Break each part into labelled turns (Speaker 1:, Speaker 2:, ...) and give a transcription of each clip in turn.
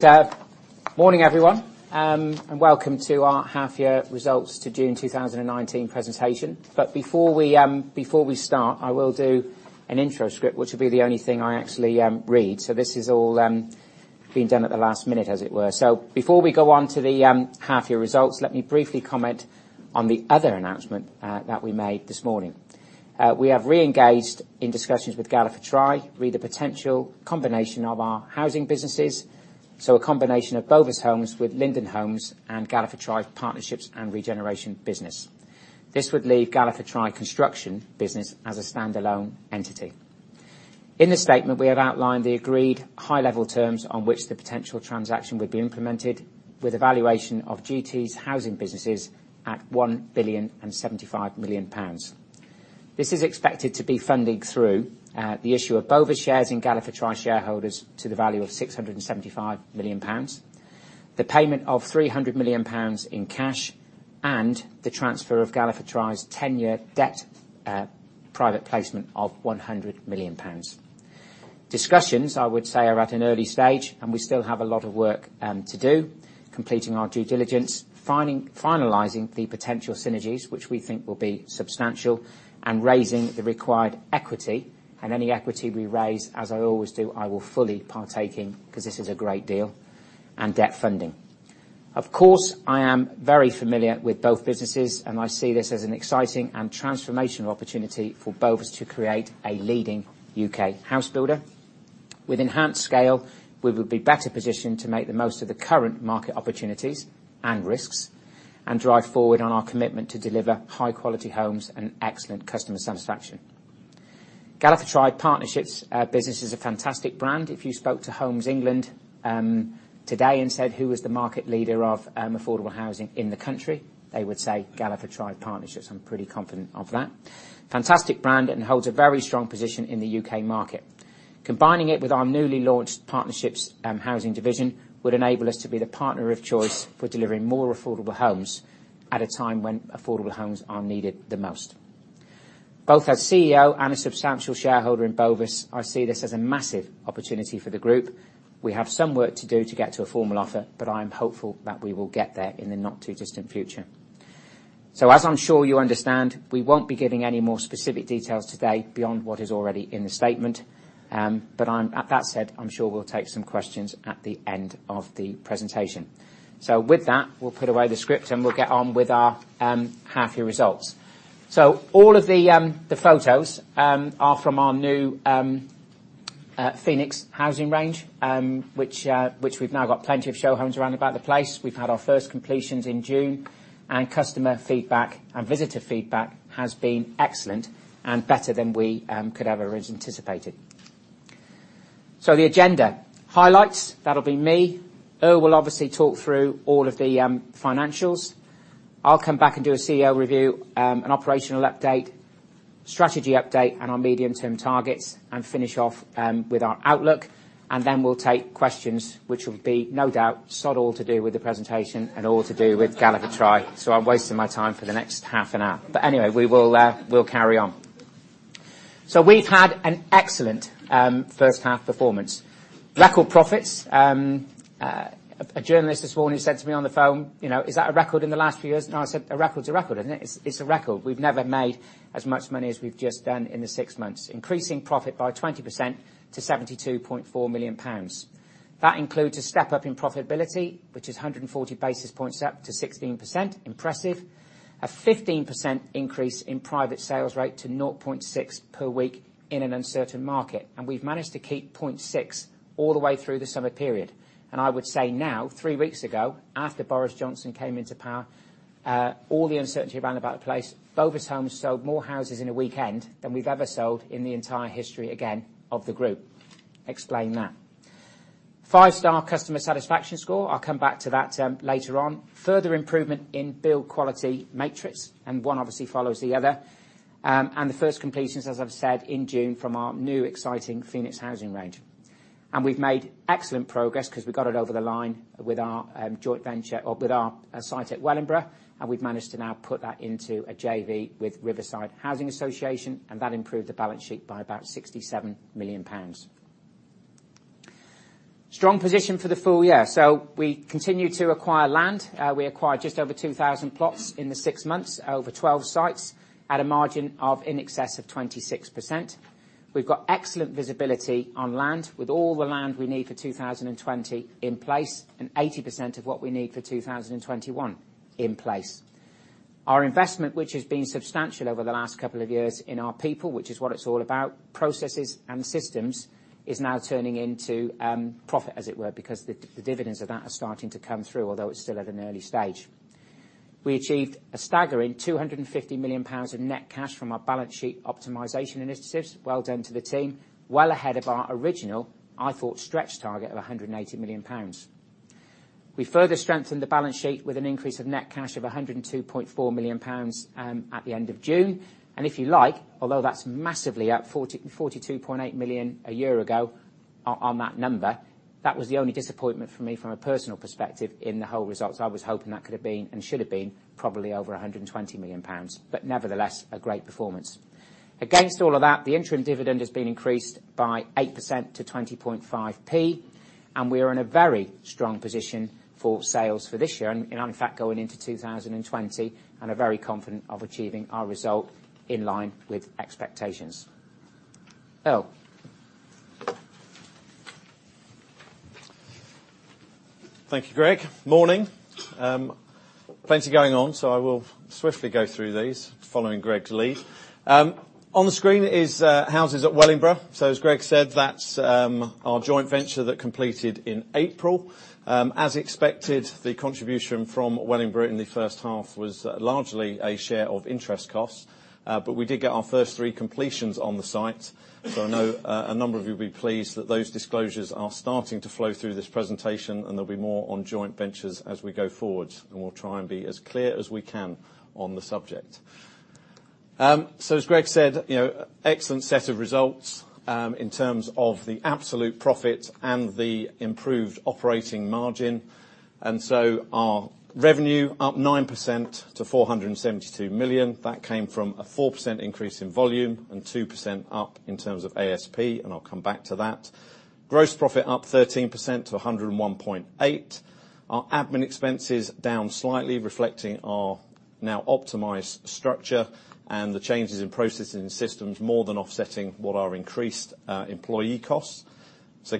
Speaker 1: Good morning, everyone, and welcome to our half year results to June 2019 presentation. Before we start, I will do an intro script, which will be the only thing I actually read. This is all being done at the last minute, as it were. Before we go on to the half year results, let me briefly comment on the other announcement that we made this morning. We have re-engaged in discussions with Galliford Try re the potential combination of our housing businesses. A combination of Bovis Homes with Linden Homes and Galliford Try Partnerships and Regeneration business. This would leave Galliford Try Construction business as a standalone entity. In the statement, we have outlined the agreed high level terms on which the potential transaction would be implemented with a valuation of GT's housing businesses at 1,075,000,000 pounds. This is expected to be funding through, the issue of Bovis shares in Galliford Try shareholders to the value of 675 million pounds, the payment of 300 million pounds in cash, and the transfer of Galliford Try's 10-year debt private placement of 100 million pounds. Discussions, I would say, are at an early stage and we still have a lot of work to do, completing our due diligence, finalizing the potential synergies, which we think will be substantial, and raising the required equity. Any equity we raise, as I always do, I will fully partake in, because this is a great deal, and debt funding. Of course, I am very familiar with both businesses, and I see this as an exciting and transformational opportunity for both to create a leading U.K. house builder. With enhanced scale, we will be better positioned to make the most of the current market opportunities and risks, and drive forward on our commitment to deliver high quality homes and excellent customer satisfaction. Galliford Try Partnerships business is a fantastic brand. If you spoke to Homes England today and said, "Who was the market leader of affordable housing in the country?" They would say Galliford Try Partnerships. I'm pretty confident of that. Fantastic brand and holds a very strong position in the U.K. market. Combining it with our newly launched partnerships housing division would enable us to be the partner of choice for delivering more affordable homes at a time when affordable homes are needed the most. Both as CEO and a substantial shareholder in Bovis, I see this as a massive opportunity for the group. We have some work to do to get to a formal offer, but I am hopeful that we will get there in the not too distant future. As I'm sure you understand, we won't be giving any more specific details today beyond what is already in the statement. That said, I'm sure we'll take some questions at the end of the presentation. With that, we'll put away the script and we'll get on with our half year results. All of the photos are from our new Phoenix housing range, which we've now got plenty of show homes around about the place. We've had our first completions in June, and customer feedback and visitor feedback has been excellent and better than we could ever have anticipated. The agenda. Highlights, that'll be me. Earl will obviously talk through all of the financials. I'll come back and do a CEO review, an operational update, strategy update, and our medium-term targets, finish off with our outlook. We'll take questions, which will be no doubt sod all to do with the presentation and all to do with Galliford Try. I'm wasting my time for the next half an hour. Anyway, we'll carry on. We've had an excellent first half performance. Record profits. A journalist this morning said to me on the phone, "Is that a record in the last few years?" I said, "A record's a record, isn't it?" It's a record. We've never made as much money as we've just done in the six months. Increasing profit by 20% to 72.4 million pounds. That includes a step up in profitability, which is 140 basis points up to 16%, impressive. A 15% increase in private sales rate to 0.6 per week in an uncertain market. We've managed to keep 0.6 all the way through the summer period. I would say now, three weeks ago, after Boris Johnson came into power, all the uncertainty around about the place, Bovis Homes sold more houses in a weekend than we've ever sold in the entire history, again, of the group. Explain that. 5-star customer satisfaction score. I'll come back to that later on. Further improvement in build quality matrix, one obviously follows the other. The first completions, as I've said, in June from our new exciting Phoenix housing range. We've made excellent progress because we got it over the line with our site at Wellingborough, and we've managed to now put that into a JV with Riverside Housing Association, and that improved the balance sheet by about 67 million pounds. Strong position for the full year. We continue to acquire land. We acquired just over 2,000 plots in the six months, over 12 sites, at a margin of in excess of 26%. We've got excellent visibility on land, with all the land we need for 2020 in place and 80% of what we need for 2021 in place. Our investment, which has been substantial over the last couple of years in our people, which is what it's all about, processes and systems, is now turning into profit, as it were, because the dividends of that are starting to come through. Although it's still at an early stage. We achieved a staggering 250 million pounds of net cash from our balance sheet optimization initiatives. Well done to the team. Well ahead of our original, I thought stretch target of 180 million pounds. We further strengthened the balance sheet with an increase of net cash of 102.4 million pounds, at the end of June. If you like, although that's massively up 42.8 million a year ago on that number, that was the only disappointment for me from a personal perspective in the whole results. I was hoping that could have been, and should have been, probably over 120 million pounds. Nevertheless, a great performance. Against all of that, the interim dividend has been increased by 8% to 0.205. We are in a very strong position for sales for this year, and in fact going into 2020, and are very confident of achieving our result in line with expectations. Earl.
Speaker 2: Thank you, Greg. Morning. Plenty going on, I will swiftly go through these, following Greg's lead. On the screen is houses at Wellingborough. As Greg said, that's our joint venture that completed in April. As expected, the contribution from Wellingborough in the first half was largely a share of interest costs. We did get our first three completions on the site. I know a number of you will be pleased that those disclosures are starting to flow through this presentation, and there'll be more on joint ventures as we go forward. We'll try and be as clear as we can on the subject. As Greg said, excellent set of results, in terms of the absolute profit and the improved operating margin. Our revenue up 9% to 472 million. That came from a 4% increase in volume and 2% up in terms of ASP, and I'll come back to that. Gross profit up 13% to 101.8. Our admin expenses down slightly, reflecting our now optimized structure and the changes in processing systems more than offsetting what are increased employee costs.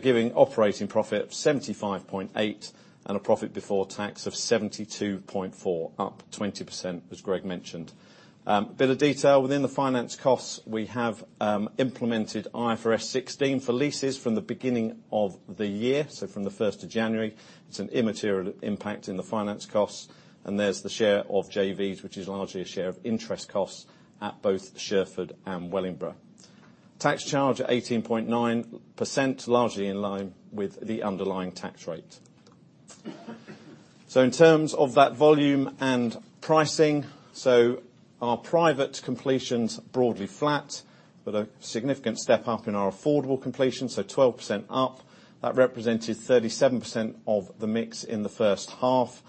Speaker 2: Giving operating profit of 75.8 and a profit before tax of 72.4, up 20%, as Greg mentioned. A bit of detail within the finance costs, we have implemented IFRS 16 for leases from the beginning of the year, so from the 1st of January. It's an immaterial impact in the finance costs. There's the share of JVs, which is largely a share of interest costs at both Sherford and Wellingborough. Tax charge at 18.9%, largely in line with the underlying tax rate. In terms of that volume and pricing, our private completions broadly flat, but a significant step up in our affordable completions, 12% up. That represented 37% of the mix in the first half.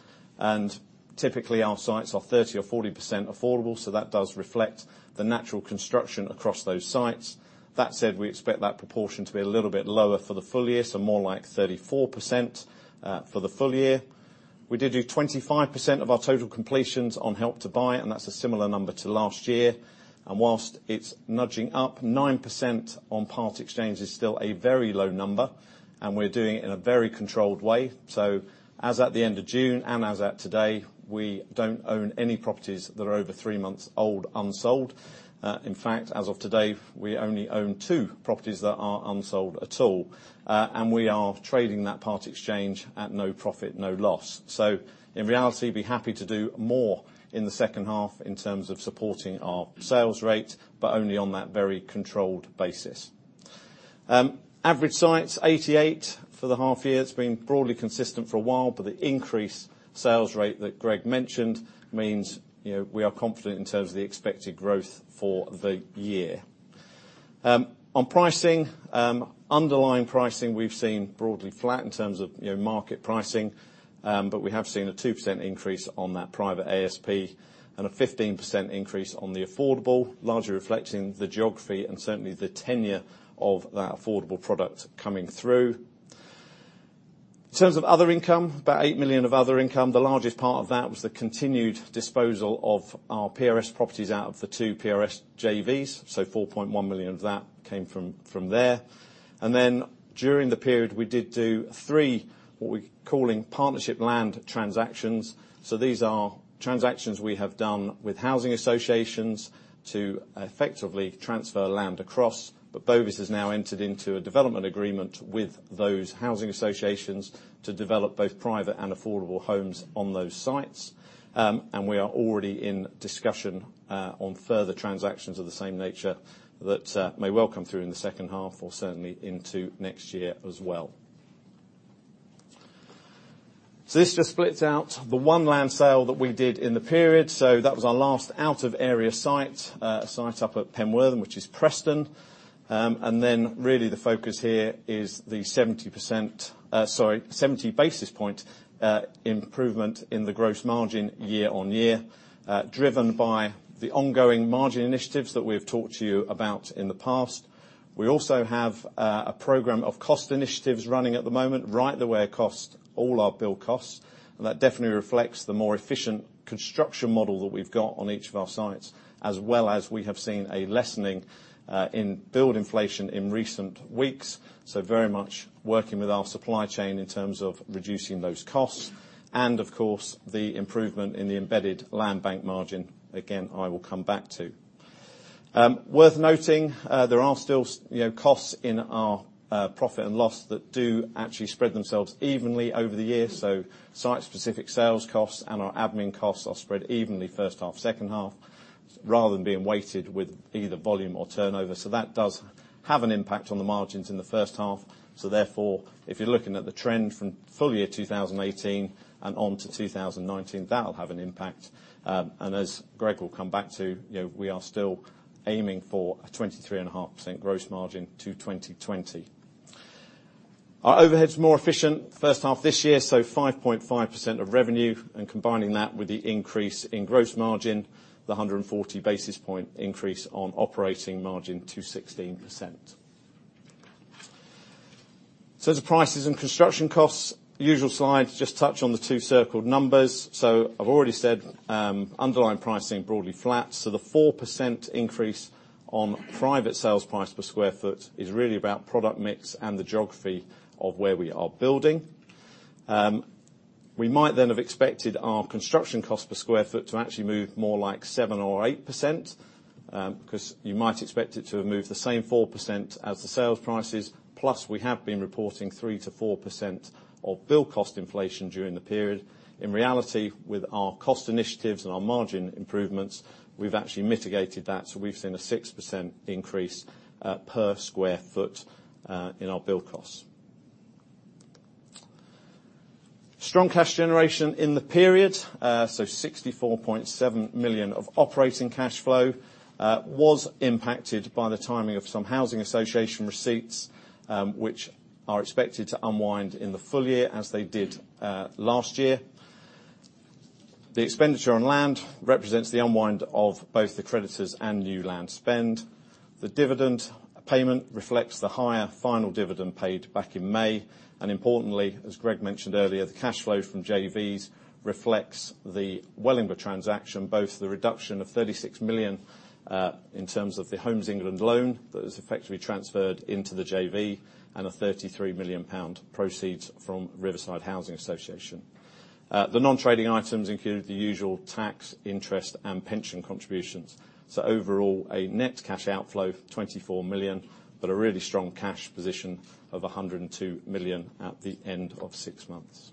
Speaker 2: Typically, our sites are 30% or 40% affordable, that does reflect the natural construction across those sites. That said, we expect that proportion to be a little bit lower for the full year, more like 34% for the full year. We did do 25% of our total completions on Help to Buy, and that's a similar number to last year. Whilst it's nudging up 9% on part-exchanges, still a very low number, and we're doing it in a very controlled way. As at the end of June, and as at today, we don't own any properties that are over three months old unsold. In fact, as of today, we only own two properties that are unsold at all. We are trading that part exchange at no profit, no loss. In reality, be happy to do more in the second half in terms of supporting our sales rate, but only on that very controlled basis. Average sites, 88 for the half year. It's been broadly consistent for a while, the increased sales rate that Greg mentioned means we are confident in terms of the expected growth for the year. On pricing, underlying pricing we've seen broadly flat in terms of market pricing. We have seen a 2% increase on that private ASP and a 15% increase on the affordable, largely reflecting the geography and certainly the tenure of that affordable product coming through. In terms of other income, about 8 million of other income. The largest part of that was the continued disposal of our PRS properties out of the two PRS JVs, so 4.1 million of that came from there. During the period, we did do three, what we're calling partnership land transactions. These are transactions we have done with housing associations to effectively transfer land across. Bovis has now entered into a development agreement with those housing associations to develop both private and affordable homes on those sites. We are already in discussion on further transactions of the same nature that may well come through in the second half or certainly into next year as well. This just splits out the one land sale that we did in the period. That was our last out-of-area site, a site up at Penwortham, which is Preston. Really the focus here is the 70 basis point improvement in the gross margin year-over-year, driven by the ongoing margin initiatives that we have talked to you about in the past. We also have a program of cost initiatives running at the moment, right the way across all our build costs. That definitely reflects the more efficient construction model that we've got on each of our sites, as well as we have seen a lessening in build inflation in recent weeks. Very much working with our supply chain in terms of reducing those costs. Of course, the improvement in the embedded land bank margin, again, I will come back to. Worth noting, there are still costs in our profit and loss that do actually spread themselves evenly over the year. Site specific sales costs and our admin costs are spread evenly first half, second half, rather than being weighted with either volume or turnover. That does have an impact on the margins in the first half. Therefore, if you're looking at the trend from full year 2018 and on to 2019, that'll have an impact. As Greg will come back to, we are still aiming for a 23.5% gross margin to 2020. Our overhead's more efficient first half this year, so 5.5% of revenue, and combining that with the increase in gross margin, the 140 basis point increase on operating margin to 16%. The prices and construction costs. Usual slide, just touch on the two circled numbers. I've already said underlying pricing broadly flat. The 4% increase on private sales price per square foot is really about product mix and the geography of where we are building. We might have expected our construction cost per square foot to actually move more like 7% or 8%, because you might expect it to have moved the same 4% as the sales prices. We have been reporting 3%-4% of build cost inflation during the period. In reality, with our cost initiatives and our margin improvements, we've actually mitigated that. We've seen a 6% increase per square foot in our build costs. Strong cash generation in the period. 64.7 million of operating cash flow was impacted by the timing of some housing association receipts, which are expected to unwind in the full year as they did last year. The expenditure on land represents the unwind of both the creditors and new land spend. The dividend payment reflects the higher final dividend paid back in May. Importantly, as Greg mentioned earlier, the cash flow from JVs reflects the Wellingborough transaction, both the reduction of 36 million in terms of the Homes England loan that has effectively transferred into the JV and a 33 million pound proceeds from Riverside Housing Association. The non-trading items include the usual tax interest and pension contributions. Overall, a net cash outflow 24 million, but a really strong cash position of 102 million at the end of six months.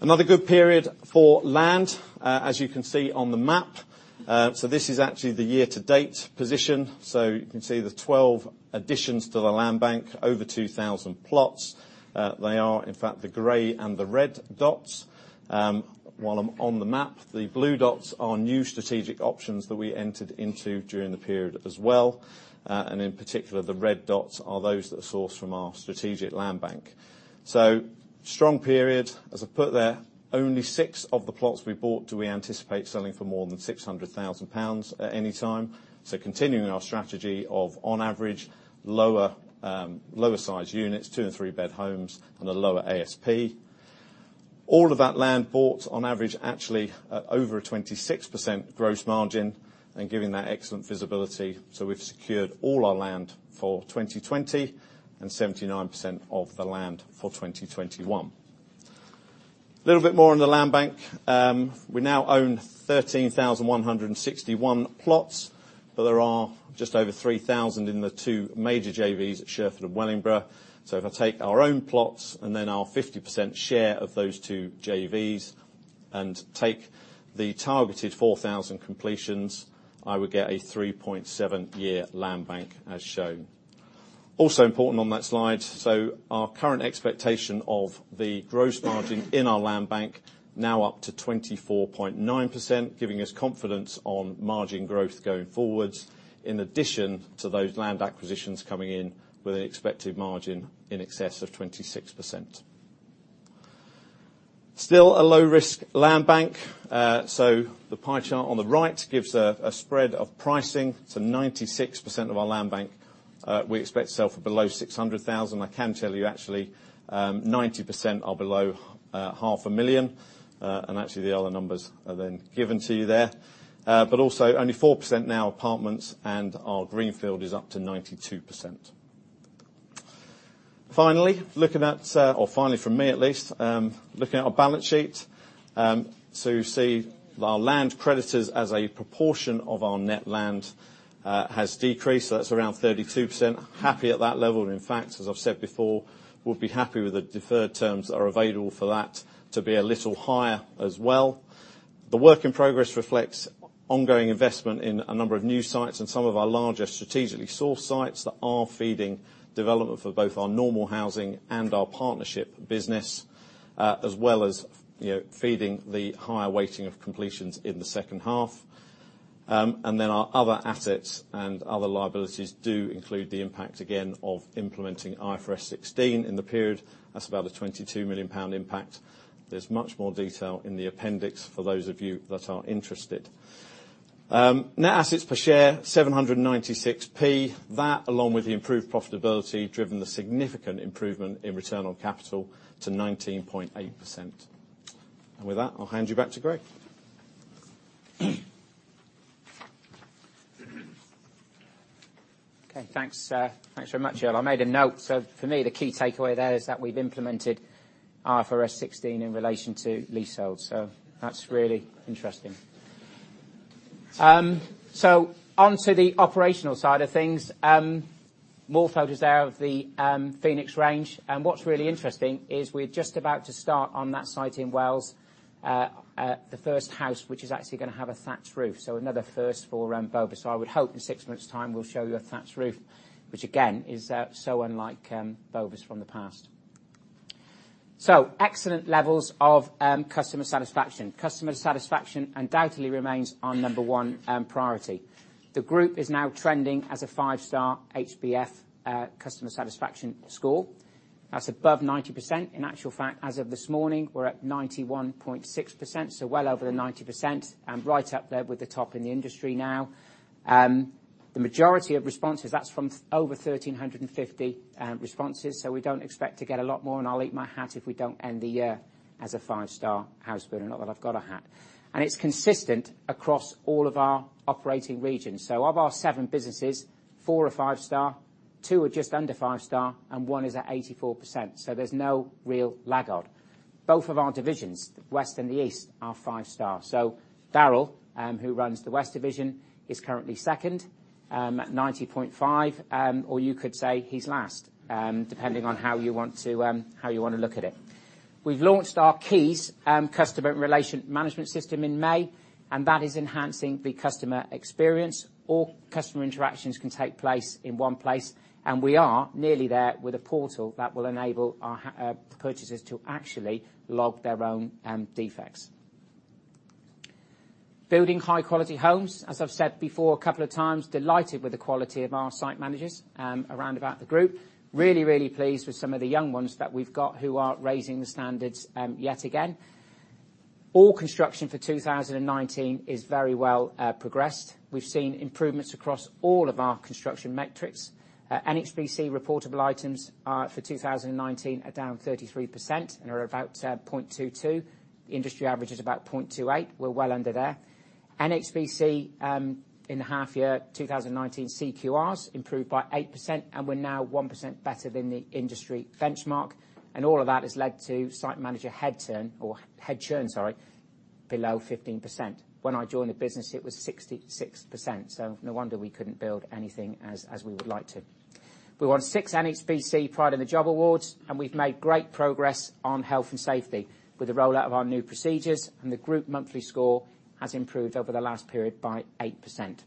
Speaker 2: Another good period for land, as you can see on the map. This is actually the year-to-date position. You can see the 12 additions to the land bank, over 2,000 plots. They are, in fact, the gray and the red dots. While I'm on the map, the blue dots are new strategic options that we entered into during the period as well. In particular, the red dots are those that are sourced from our strategic land bank. Strong period, as I've put there. Only six of the plots we bought do we anticipate selling for more than 600,000 pounds at any time. Continuing our strategy of on average, lower size units, two- and three-bed homes and a lower ASP. All of that land bought on average, actually at over a 26% gross margin and giving that excellent visibility. We've secured all our land for 2020 and 79% of the land for 2021. Little bit more on the land bank. We now own 13,161 plots, but there are just over 3,000 in the two major JVs at Sherford and Wellingborough. If I take our own plots and then our 50% share of those two JVs and take the targeted 4,000 completions, I would get a 3.7 year land bank as shown. Also important on that slide. Our current expectation of the gross margin in our land bank now up to 24.9%, giving us confidence on margin growth going forwards, in addition to those land acquisitions coming in with an expected margin in excess of 26%. Still a low risk land bank. The pie chart on the right gives a spread of pricing. 96% of our land bank we expect to sell for below 600,000. I can tell you actually, 90% are below GBP half a million. Actually the other numbers are then given to you there. Also only 4% now apartments and our greenfield is up to 92%. Finally from me at least, looking at our balance sheet. You see our land creditors as a proportion of our net land has decreased. That's around 32%. Happy at that level. In fact, as I've said before, we'll be happy with the deferred terms that are available for that to be a little higher as well. The work in progress reflects ongoing investment in a number of new sites and some of our larger strategically sourced sites that are feeding development for both our normal housing and our partnership business. As well as feeding the higher weighting of completions in the second half. Our other assets and other liabilities do include the impact, again, of implementing IFRS 16 in the period. That's about a GBP 22 million impact. There's much more detail in the appendix for those of you that are interested. Net assets per share, 7.96. That along with the improved profitability driven the significant improvement in return on capital to 19.8%. With that, I'll hand you back to Greg.
Speaker 1: Okay, thanks. Thanks very much, Earl. I made a note. For me, the key takeaway there is that we've implemented IFRS 16 in relation to leasehold. That's really interesting. Onto the operational side of things. More photos there of the Phoenix range. What's really interesting is we're just about to start on that site in Wells, the first house, which is actually going to have a thatched roof. Another first for Bovis. I would hope in six months time, we'll show you a thatched roof, which again, is so unlike Bovis from the past. Excellent levels of customer satisfaction. Customer satisfaction undoubtedly remains our number one priority. The group is now trending as a five-star HBF customer satisfaction score. That's above 90%. In actual fact, as of this morning, we're at 91.6%, well over the 90% and right up there with the top in the industry now. The majority of responses, that's from over 1,350 responses. We don't expect to get a lot more, and I'll eat my hat if we don't end the year as a five-star house builder. Not that I've got a hat. It's consistent across all of our operating regions. Of our seven businesses, four are five-star, two are just under five-star, and one is at 84%, there's no real laggard. Both of our divisions, the West and the East, are five-star. Darrell, who runs the West Division, is currently second at 90.5. Or you could say he's last, depending on how you want to look at it. We've launched our Keys customer relation management system in May. That is enhancing the customer experience. All customer interactions can take place in one place. We are nearly there with a portal that will enable our purchasers to actually log their own defects. Building high quality homes, as I've said before a couple of times, delighted with the quality of our site managers around about the group. Really pleased with some of the young ones that we've got who are raising the standards, yet again. All construction for 2019 is very well progressed. We've seen improvements across all of our construction metrics. NHBC reportable items, for 2019, are down 33% and are about 0.22. The industry average is about 0.28. We're well under there. NHBC in the half year 2019 CQRs improved by 8%, and we're now 1% better than the industry benchmark, and all of that has led to site manager head turn, or head churn, sorry, below 15%. When I joined the business, it was 66%. No wonder we couldn't build anything as we would like to. We won six NHBC Pride in the Job Awards, and we've made great progress on health and safety with the rollout of our new procedures, and the group monthly score has improved over the last period by 8%.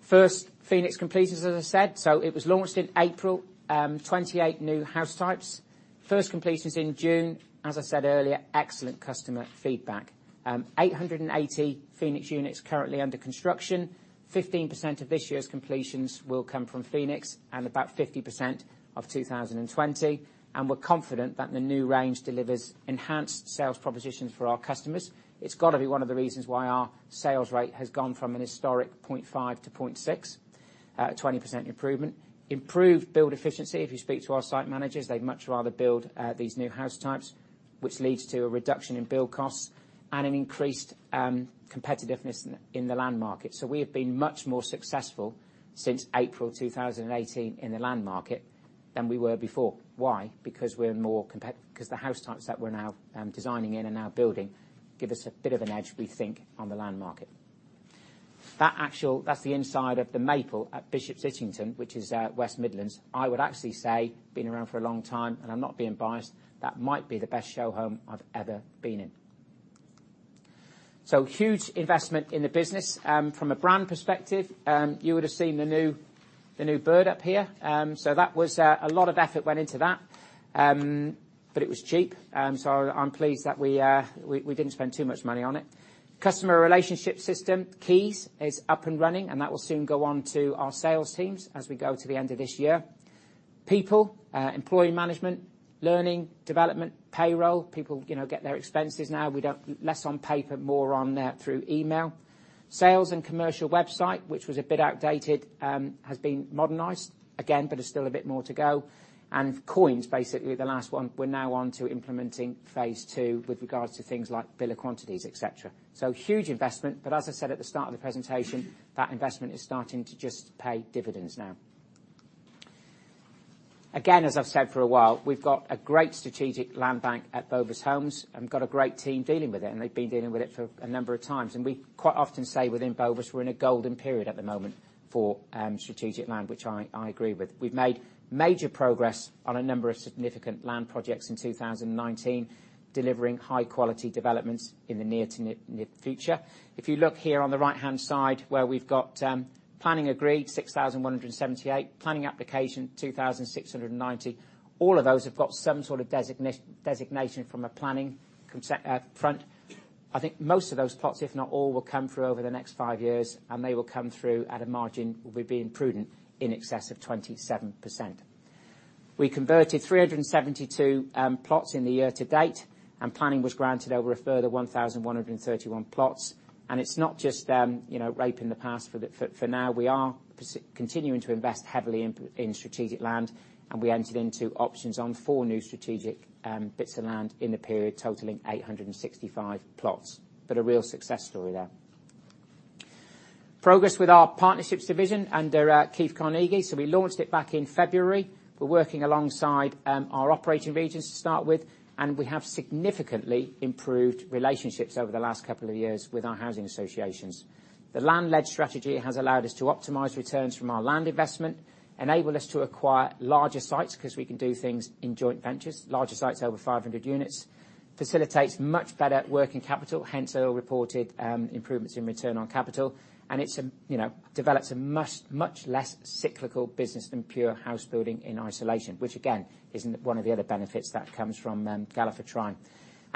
Speaker 1: First Phoenix completions, as I said. It was launched in April, 28 new house types. First completions in June, as I said earlier, excellent customer feedback. 880 Phoenix units currently under construction. 15% of this year's completions will come from Phoenix and about 50% of 2020. We're confident that the new range delivers enhanced sales propositions for our customers. It's got to be one of the reasons why our sales rate has gone from an historic 0.5 to 0.6 at 20% improvement. Improved build efficiency. If you speak to our site managers, they'd much rather build these new house types, which leads to a reduction in build costs and an increased competitiveness in the land market. We have been much more successful since April 2018 in the land market than we were before. Why? Because the house types that we're now designing in and now building give us a bit of an edge, we think, on the land market. That's the inside of the Maple at Bishops Itchington, which is West Midlands. I would actually say, been around for a long time, and I'm not being biased, that might be the best show home I've ever been in. Huge investment in the business. From a brand perspective, you would have seen the new bird up here. A lot of effort went into that, but it was cheap. I'm pleased that we didn't spend too much money on it. Customer relationship system, Keys, is up and running, and that will soon go on to our sales teams as we go to the end of this year. People, employee management, learning, development, payroll. People get their expenses now. Less on paper, more on through email. Sales and commercial website, which was a bit outdated, has been modernized again, but there's still a bit more to go. COINS, basically the last one, we're now on to implementing phase 2 with regards to things like bill of quantities, et cetera. Huge investment, but as I said at the start of the presentation, that investment is starting to just pay dividends now. Again, as I've said for a while, we've got a great strategic land bank at Bovis Homes and got a great team dealing with it, and they've been dealing with it for a number of times. We quite often say within Bovis, we're in a golden period at the moment for strategic land, which I agree with. We've made major progress on a number of significant land projects in 2019, delivering high quality developments in the near future. If you look here on the right-hand side where we've got planning agreed 6,178, planning application 2,690. All of those have got some sort of designation from a planning front. I think most of those plots, if not all, will come through over the next 5 years. They will come through at a margin, we're being prudent, in excess of 27%. We converted 372 plots in the year to date. Planning was granted over a further 1,131 plots. It's not just rate in the past for now. We are continuing to invest heavily in strategic land. We entered into options on 4 new strategic bits of land in the period, totaling 865 plots. A real success story there. Progress with our Partnerships Division under Keith Carnegie. We launched it back in February. We're working alongside our operating regions to start with. We have significantly improved relationships over the last couple of years with our housing associations. The land-led strategy has allowed us to optimize returns from our land investment, enable us to acquire larger sites because we can do things in joint ventures, larger sites over 500 units. Facilitates much better working capital, hence our reported improvements in return on capital, and it's developed a much less cyclical business than pure house building in isolation, which again, is one of the other benefits that comes from Galliford Try.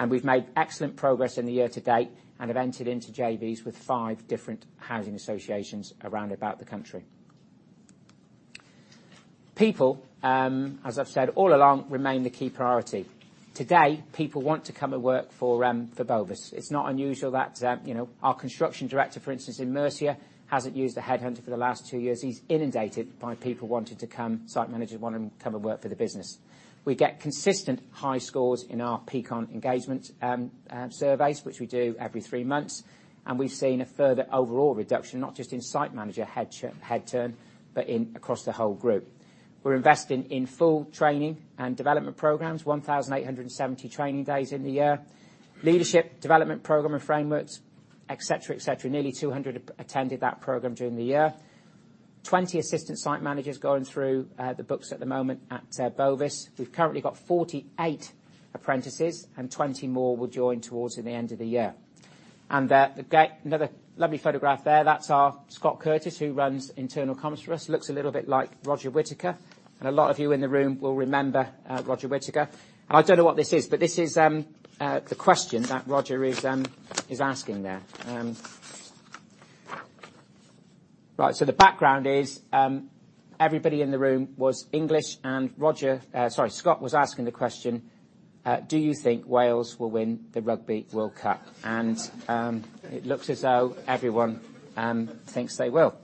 Speaker 1: We've made excellent progress in the year to date and have entered into JVs with five different housing associations around about the country. People, as I've said all along, remain the key priority. Today, people want to come and work for Bovis. It's not unusual that our construction director, for instance, in Mercia, hasn't used a headhunter for the last two years. He's inundated by people wanting to come, site managers wanting to come and work for the business. We get consistent high scores in our Peakon engagement surveys, which we do every three months. We've seen a further overall reduction, not just in site manager head turn, but across the whole group. We're investing in full training and development programs, 1,870 training days in the year. Leadership development program and frameworks, et cetera. Nearly 200 attended that program during the year. 20 assistant site managers going through the books at the moment at Bovis. We've currently got 48 apprentices, and 20 more will join towards the end of the year. Again, another lovely photograph there. That's our Scott Curtis, who runs internal comms for us. Looks a little bit like Roger Whittaker. A lot of you in the room will remember Roger Whittaker. I don't know what this is, but this is the question that Roger is asking there. Right. The background is, everybody in the room was English and Scott was asking the question, "Do you think Wales will win the Rugby World Cup?" It looks as though everyone thinks they will.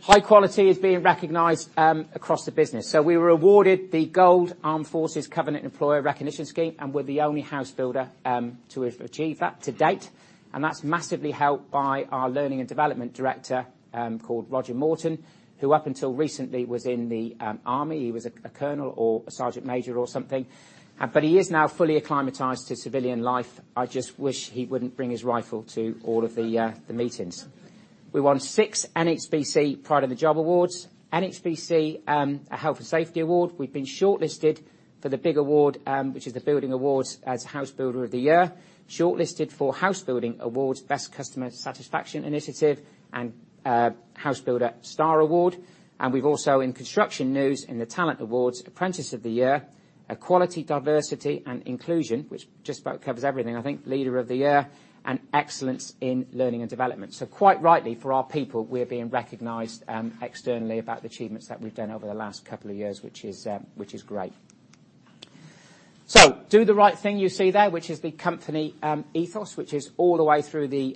Speaker 1: High quality is being recognized across the business. We were awarded the gold Armed Forces Covenant Employer Recognition Scheme, and we're the only house builder to have achieved that to date. That's massively helped by our learning and development director, called Roger Morton, who up until recently was in the army. He was a colonel or a sergeant major or something. He is now fully acclimatized to civilian life. I just wish he wouldn't bring his rifle to all of the meetings. We won six NHBC Pride in the Job Awards, NHBC Health and Safety Award. We've been shortlisted for the big award, which is the Building Awards as House Builder of the Year, shortlisted for Housebuilder Awards' Best Customer Satisfaction Initiative, and House Builder Star Award. We've also, in Construction News, in the Talent Awards, Apprentice of the Year, Equality, Diversity, and Inclusion, which just about covers everything, I think, Leader of the Year, and Excellence in Learning and Development. Quite rightly for our people, we are being recognized externally about the achievements that we've done over the last couple of years, which is great. Do the right thing, you see there, which is the company ethos, which is all the way through the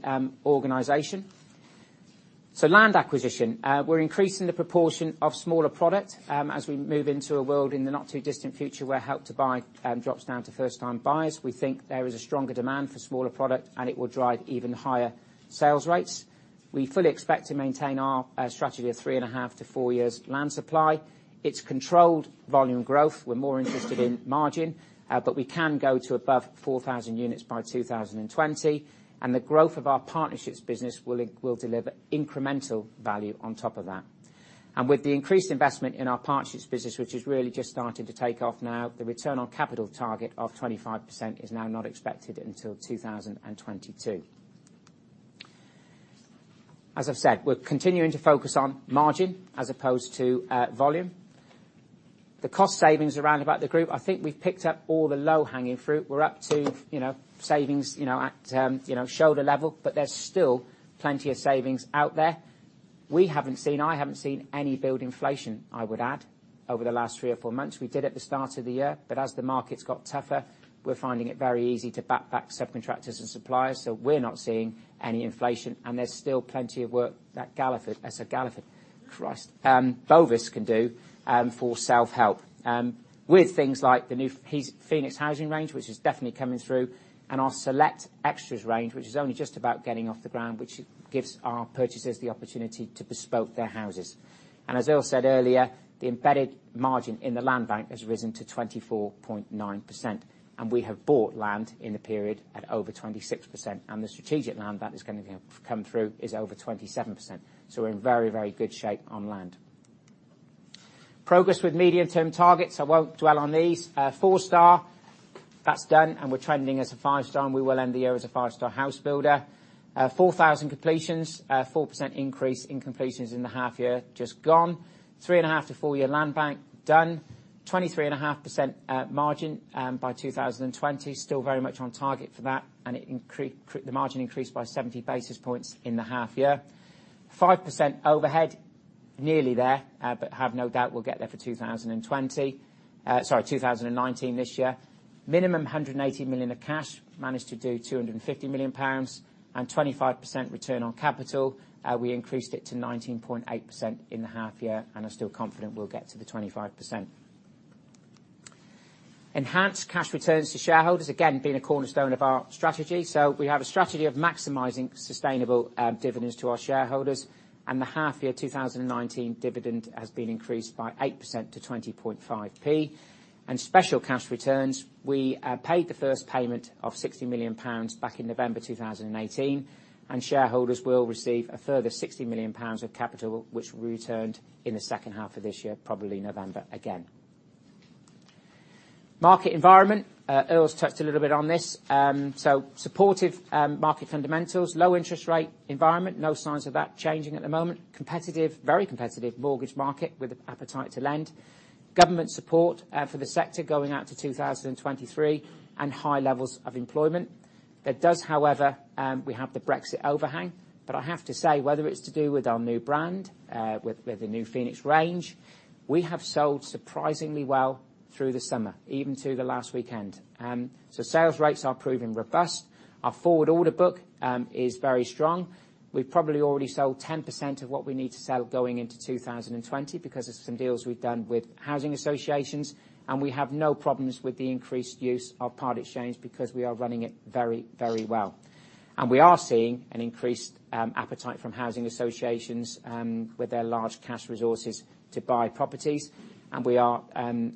Speaker 1: organization. Land acquisition. We're increasing the proportion of smaller product as we move into a world in the not too distant future where Help to Buy drops down to first-time buyers. We think there is a stronger demand for smaller product, it will drive even higher sales rates. We fully expect to maintain our strategy of 3.5 to 4 years land supply. It's controlled volume growth. We're more interested in margin. We can go to above 4,000 units by 2020. The growth of our partnerships business will deliver incremental value on top of that. With the increased investment in our partnerships business, which is really just starting to take off now, the ROCE target of 25% is now not expected until 2022. As I've said, we're continuing to focus on margin as opposed to volume. The cost savings around about the group, I think we've picked up all the low-hanging fruit. We're up to savings at shoulder level, but there's still plenty of savings out there. We haven't seen, I haven't seen any build inflation, I would add, over the last three or four months. We did at the start of the year. As the market's got tougher, we're finding it very easy to bat back subcontractors and suppliers. We're not seeing any inflation, and there's still plenty of work that Galliford, I said Galliford. Christ. Bovis can do for self-help. With things like the new Phoenix Housing range, which is definitely coming through, and our Select Extras range, which is only just about getting off the ground, which gives our purchasers the opportunity to bespoke their houses. As Earl said earlier, the embedded margin in the land bank has risen to 24.9%. We have bought land in the period at over 26%, and the strategic land that is going to come through is over 27%. We're in very, very good shape on land. Progress with medium-term targets, I won't dwell on these. 4-star, that's done, and we're trending as a 5-star, and we will end the year as a 5-star house builder. 4,000 completions, a 4% increase in completions in the half year just gone. Three and a half to four year land bank, done. 23.5% margin by 2020, still very much on target for that. The margin increased by 70 basis points in the half year. 5% overhead, nearly there, but have no doubt we'll get there for 2020. Sorry, 2019 this year. Minimum 180 million of cash, managed to do 250 million pounds. 25% return on capital, we increased it to 19.8% in the half year and are still confident we'll get to the 25%. Enhanced cash returns to shareholders, again, being a cornerstone of our strategy. We have a strategy of maximizing sustainable dividends to our shareholders, and the half year 2019 dividend has been increased by 8% to 20.5p. Special cash returns, we paid the first payment of 60 million pounds back in November 2018, and shareholders will receive a further 60 million pounds of capital, which will be returned in the second half of this year, probably November again. Market environment, Earl's touched a little bit on this. Supportive market fundamentals, low interest rate environment, no signs of that changing at the moment. Competitive, very competitive mortgage market with an appetite to lend. Government support for the sector going out to 2023, and high levels of employment. There does, however, we have the Brexit overhang. I have to say, whether it's to do with our new brand, with the new Phoenix range, we have sold surprisingly well through the summer, even to the last weekend. Sales rates are proving robust. Our forward order book is very strong. We've probably already sold 10% of what we need to sell going into 2020 because of some deals we've done with housing associations, we have no problems with the increased use of part exchange because we are running it very well. We are seeing an increased appetite from housing associations, with their large cash resources, to buy properties. We are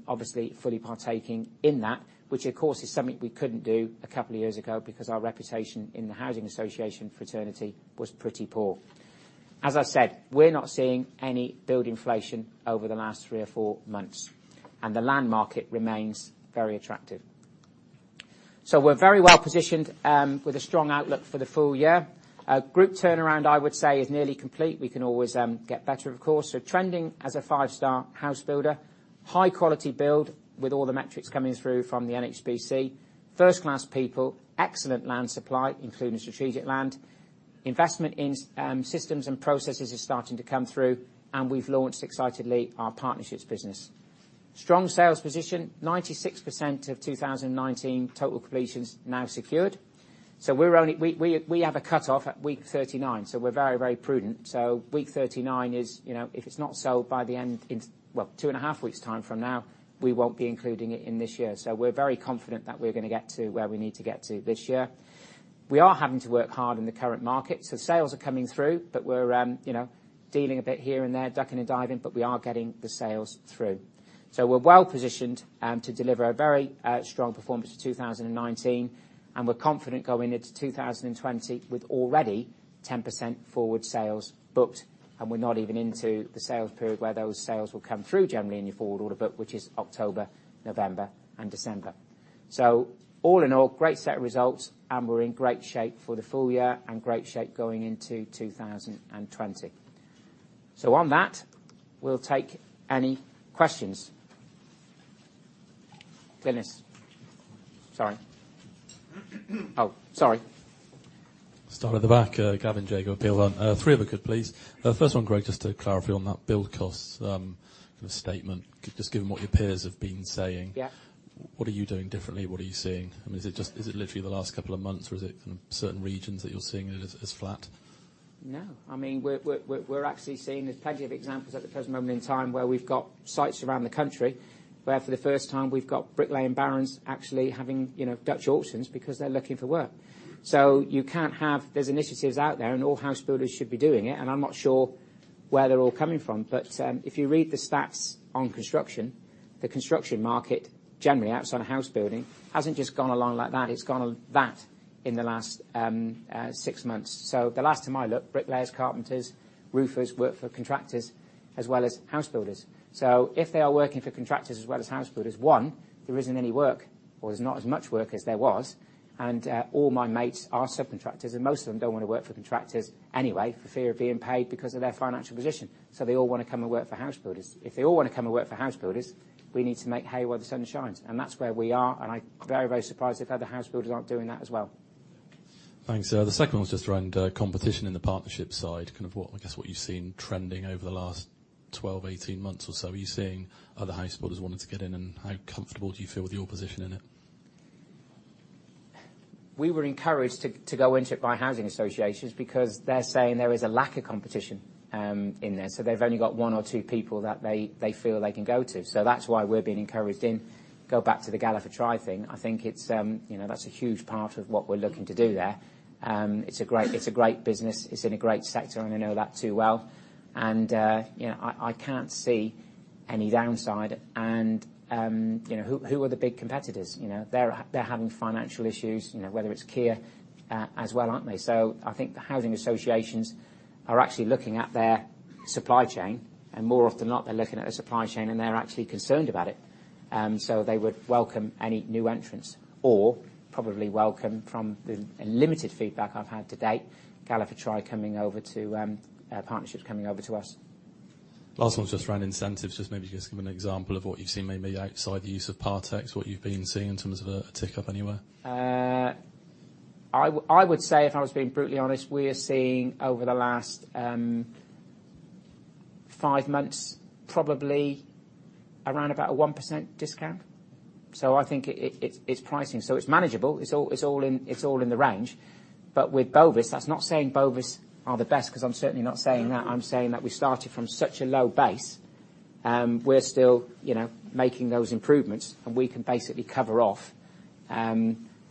Speaker 1: obviously fully partaking in that, which of course, is something we couldn't do a couple of years ago because our reputation in the housing association fraternity was pretty poor. As I said, we're not seeing any build inflation over the last three or four months, and the land market remains very attractive. We're very well positioned, with a strong outlook for the full year. Group turnaround, I would say, is nearly complete. We can always get better, of course. Trending as a five-star house builder. High quality build with all the metrics coming through from the NHBC. First-class people, excellent land supply, including strategic land. Investment in systems and processes is starting to come through, and we've launched excitedly our partnerships business. Strong sales position, 96% of 2019 total completions now secured. We have a cutoff at week 39, so we're very prudent. Week 39 is, if it's not sold by the end, well, two and a half weeks' time from now, we won't be including it in this year. We're very confident that we're going to get to where we need to get to this year. We are having to work hard in the current market. Sales are coming through, but we're dealing a bit here and there, ducking and diving, but we are getting the sales through. We're well positioned to deliver a very strong performance for 2019, and we're confident going into 2020 with already 10% forward sales booked. We're not even into the sales period where those sales will come through generally in your forward order book, which is October, November and December. All in all, great set of results, and we're in great shape for the full year and great shape going into 2020. On that, we'll take any questions. Dennis. Sorry. Sorry.
Speaker 3: Start at the back. Gavin Jacobs at Peel Hunt. Three if I could, please. The first one, Greg, just to clarify on that build cost, kind of statement. Just given what your peers have been saying.
Speaker 1: Yeah
Speaker 3: What are you doing differently? What are you seeing? I mean, is it literally the last couple of months or is it kind of certain regions that you're seeing it as flat?
Speaker 1: No. We're actually seeing plenty of examples at the present moment in time where we've got sites around the country, where for the first time we've got bricklaying barons actually having Dutch auctions because they're looking for work. There are initiatives out there, all house builders should be doing it. I'm not sure where they're all coming from. If you read the stats on construction, the construction market, generally outside of house building, hasn't just gone along like that. It's gone like that in the last six months. The last time I looked, bricklayers, carpenters, roofers work for contractors as well as house builders. If they are working for contractors as well as house builders, one, there isn't any work or there's not as much work as there was. All my mates are subcontractors, and most of them don't want to work for contractors anyway for fear of being paid because of their financial position. They all want to come and work for house builders. If they all want to come and work for house builders, we need to make hay while the sun shines. That's where we are, and I'd be very surprised if other house builders aren't doing that as well.
Speaker 3: Thanks. The second one was just around competition in the partnership side, kind of what you've seen trending over the last 12, 18 months or so. Are you seeing other house builders wanting to get in, and how comfortable do you feel with your position in it?
Speaker 1: We were encouraged to go into it by housing associations because they're saying there is a lack of competition in there. They've only got one or two people that they feel they can go to. That's why we're being encouraged in. Go back to the Galliford Try thing. I think that's a huge part of what we're looking to do there. It's a great business, it's in a great sector, and I know that too well. I can't see any downside, who are the big competitors? They're having financial issues, whether it's Kier as well, aren't they? I think the housing associations are actually looking at their supply chain, and more often than not, they're looking at their supply chain and they're actually concerned about it. They would welcome any new entrants or probably welcome, from the limited feedback I've had to date, Galliford Try Partnerships coming over to us.
Speaker 3: Last one's just around incentives. Just maybe just give an example of what you've seen maybe outside the use of part-ex, what you've been seeing in terms of a tick-up anywhere.
Speaker 1: I would say if I was being brutally honest, we are seeing over the last five months, probably around about a 1% discount. I think it's pricing. It's manageable, it's all in the range. With Bovis, that's not saying Bovis are the best, because I'm certainly not saying that. I'm saying that we started from such a low base. We're still making those improvements, and we can basically cover off a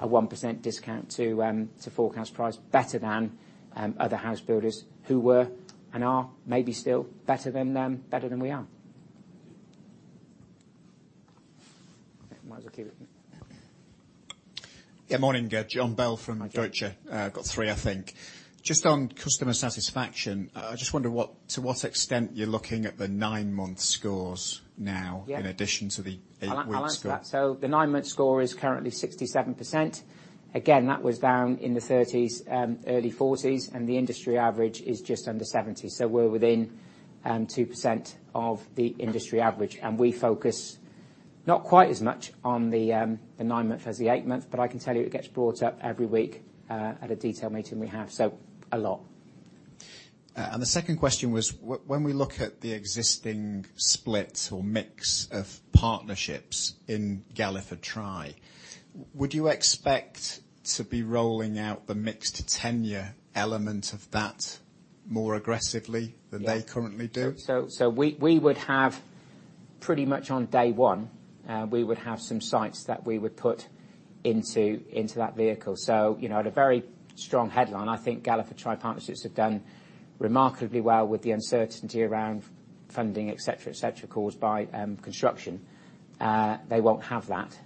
Speaker 1: 1% discount to forecast price better than other house builders who were and are maybe still better than we are. Might as well give it to you.
Speaker 4: Yeah, morning. John Bell from Deutsche.
Speaker 1: Hi.
Speaker 4: I've got three, I think. Just on customer satisfaction, I just wonder to what extent you're looking at the nine-month scores now?
Speaker 1: Yeah
Speaker 4: in addition to the eight-week score.
Speaker 1: I'll answer that. The nine-month score is currently 67%. Again, that was down in the 30s, early 40s, and the industry average is just under 70. We're within 2% of the industry average. We focus not quite as much on the nine-month as the eight-month, but I can tell you it gets brought up every week at a detail meeting we have. A lot.
Speaker 4: The second question was, when we look at the existing split or mix of partnerships in Galliford Try, would you expect to be rolling out the mixed tenure element of that more aggressively than they currently do?
Speaker 1: Yeah. We would have pretty much on day one, we would have some sites that we would put into that vehicle. At a very strong headline, I think Galliford Try Partnerships have done remarkably well with the uncertainty around funding, et cetera, et cetera, caused by construction. They won't have that,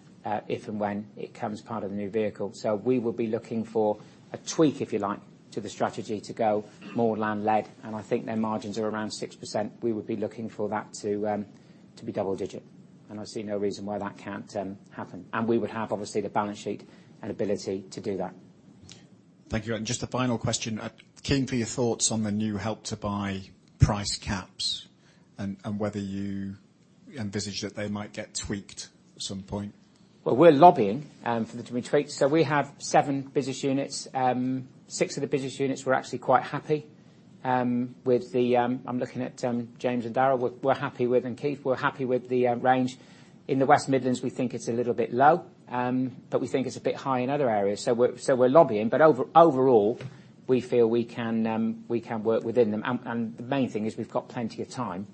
Speaker 1: if and when it becomes part of the new vehicle. We will be looking for a tweak, if you like, to the strategy to go more land led, and I think their margins are around 6%. We would be looking for that to be double digit. I see no reason why that can't happen. We would have, obviously, the balance sheet and ability to do that.
Speaker 4: Thank you. Just a final question. I'm keen for your thoughts on the new Help to Buy price caps and whether you envisage that they might get tweaked at some point.
Speaker 1: We're lobbying for them to be tweaked. We have 7 business units. 6 of the business units I'm looking at James and Daryl, and Keith, we're happy with the range. In the West Midlands, we think it's a little bit low, but we think it's a bit high in other areas. We're lobbying. Overall, we feel we can work within them. The main thing is we've got plenty of time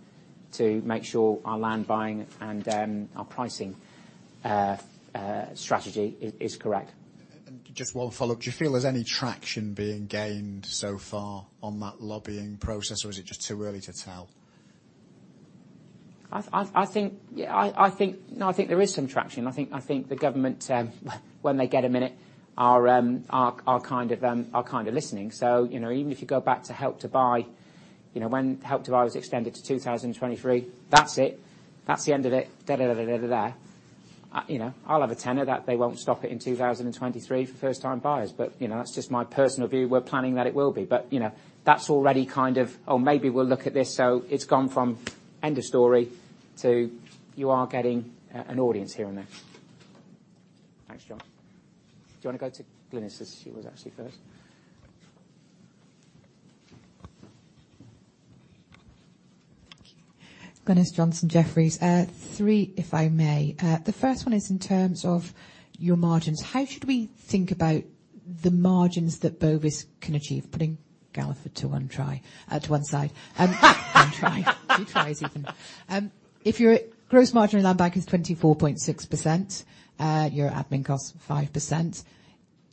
Speaker 1: to make sure our land buying and our pricing strategy is correct.
Speaker 4: Just one follow-up. Do you feel there's any traction being gained so far on that lobbying process, or is it just too early to tell?
Speaker 1: I think there is some traction. I think the government, when they get a minute, are kind of listening. Even if you go back to Help to Buy, when Help to Buy was extended to 2023, that's it. That's the end of it. I'll have GBP 10 that they won't stop it in 2023 for first-time buyers. That's just my personal view. We're planning that it will be. That's already kind of, "Oh, maybe we'll look at this." It's gone from end of story to you are getting an audience here and there. Thanks, John. Do you want to go to Glynis, as she was actually first?
Speaker 5: Thank you. Glynis Johnson, Jefferies. Three, if I may. The first one is in terms of your margins. How should we think about the margins that Bovis can achieve, putting Galliford to one side? One Try. Two Tries even. If your gross margin in the land bank is 24.6%, your admin cost 5%,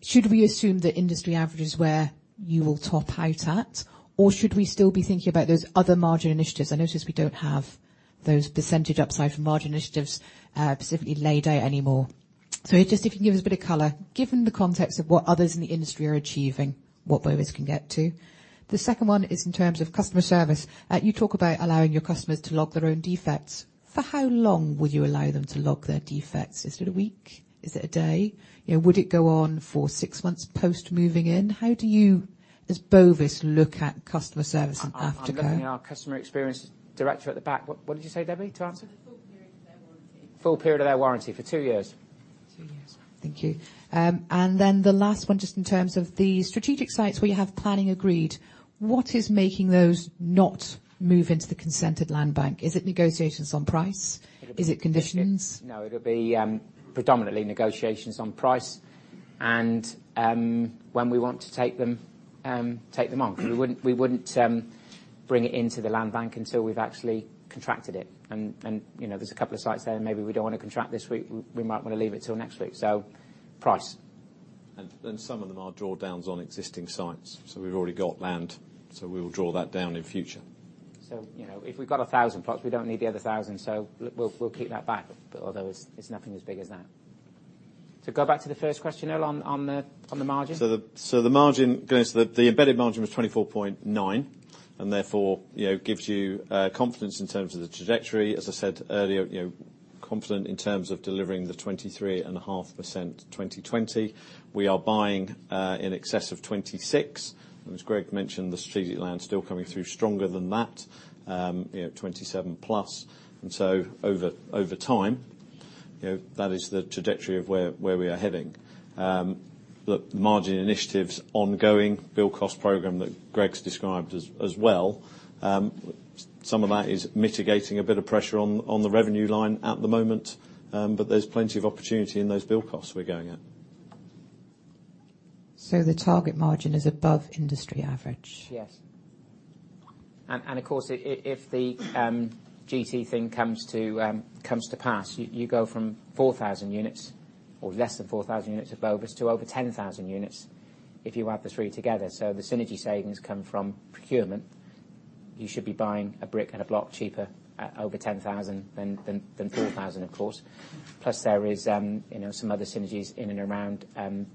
Speaker 5: should we assume the industry average is where you will top out at? Or should we still be thinking about those other margin initiatives? I notice we don't have those percentage upside from margin initiatives specifically laid out anymore. Just if you can give us a bit of color. Given the context of what others in the industry are achieving, what Bovis can get to. The second one is in terms of customer service. You talk about allowing your customers to log their own defects. For how long will you allow them to log their defects? Is it a week? Is it a day? Would it go on for six months post moving in? How do you, as Bovis, look at customer service in aftercare?
Speaker 1: I'm looking at our Group Customer Experience Director at the back. What did you say, Debbie, to answer? For the full period of their warranty. Full period of their warranty. For two years.
Speaker 5: Two years. Thank you. Then the last one, just in terms of the strategic sites where you have planning agreed, what is making those not move into the consented land bank? Is it negotiations on price?
Speaker 1: It'll be-
Speaker 5: Is it conditions?
Speaker 1: No, it'll be predominantly negotiations on price, when we want to take them on. We wouldn't bring it into the land bank until we've actually contracted it. There's a couple of sites there that maybe we don't want to contract this week, we might want to leave it till next week. Price.
Speaker 2: Some of them are drawdowns on existing sites. We've already got land, so we will draw that down in future.
Speaker 1: If we've got 1,000 plots, we don't need the other 1,000, so we'll keep that back. Although it's nothing as big as that. To go back to the first question, Earl, on the margin?
Speaker 2: The margin, Glynis, the embedded margin was 24.9%, and therefore, gives you confidence in terms of the trajectory. As I said earlier, confident in terms of delivering the 23.5% 2020. We are buying in excess of 26%. As Greg mentioned, the strategic land still coming through stronger than that, 27% plus. Over time, that is the trajectory of where we are heading. Look, margin initiatives ongoing. Build cost program that Greg's described as well. Some of that is mitigating a bit of pressure on the revenue line at the moment. There's plenty of opportunity in those build costs we're going at.
Speaker 5: The target margin is above industry average?
Speaker 1: Yes. Of course, if the GT thing comes to pass, you go from 4,000 units, or less than 4,000 units of Bovis, to over 10,000 units if you add the three together. The synergy savings come from procurement. You should be buying a brick and a block cheaper at over 10,000 than 4,000, of course. Plus there is some other synergies in and around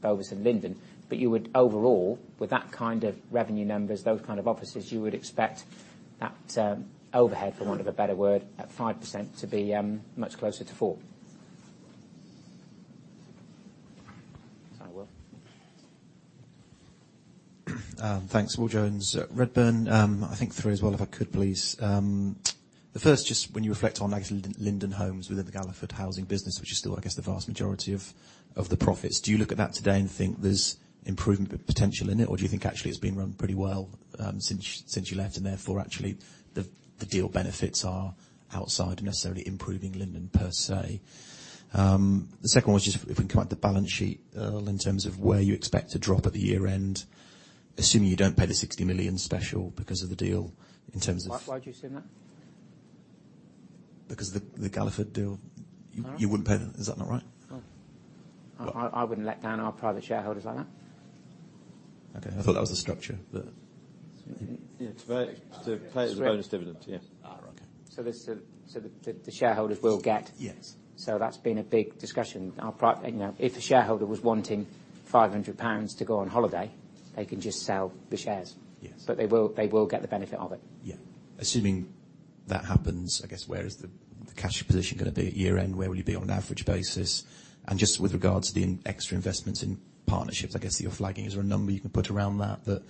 Speaker 1: Bovis and Linden. You would overall, with that kind of revenue numbers, those kind of offices, you would expect that overhead, for want of a better word, at 5%, to be much closer to 4%. I will.
Speaker 6: Thanks. Will Jones, Redburn. I think three as well, if I could, please. The first, just when you reflect on Linden Homes within the Galliford Housing business, which is still, I guess, the vast majority of the profits, do you look at that today and think there's improvement potential in it? Or do you think actually it's been run pretty well since you left, and therefore, actually, the deal benefits are outside necessarily improving Linden per se? The second one was just if we come at the balance sheet, Earl, in terms of where you expect to drop at the year-end, assuming you don't pay the 60 million special because of the deal.
Speaker 1: Why would you assume that?
Speaker 6: Because of the Galliford deal.
Speaker 1: No.
Speaker 6: Is that not right?
Speaker 1: No. I wouldn't let down our private shareholders like that.
Speaker 6: Okay. I thought that was the structure.
Speaker 2: Yeah. To pay it as a bonus dividend. Yeah.
Speaker 6: Okay.
Speaker 1: The shareholders will get.
Speaker 6: Yes.
Speaker 1: That's been a big discussion. If a shareholder was wanting £500 to go on holiday, they can just sell the shares.
Speaker 6: Yes.
Speaker 1: They will get the benefit of it.
Speaker 6: Yeah. Assuming that happens, I guess, where is the cash position going to be at year-end? Where will you be on an average basis? Just with regards to the extra investments in partnerships, I guess, that you're flagging, is there a number you can put around that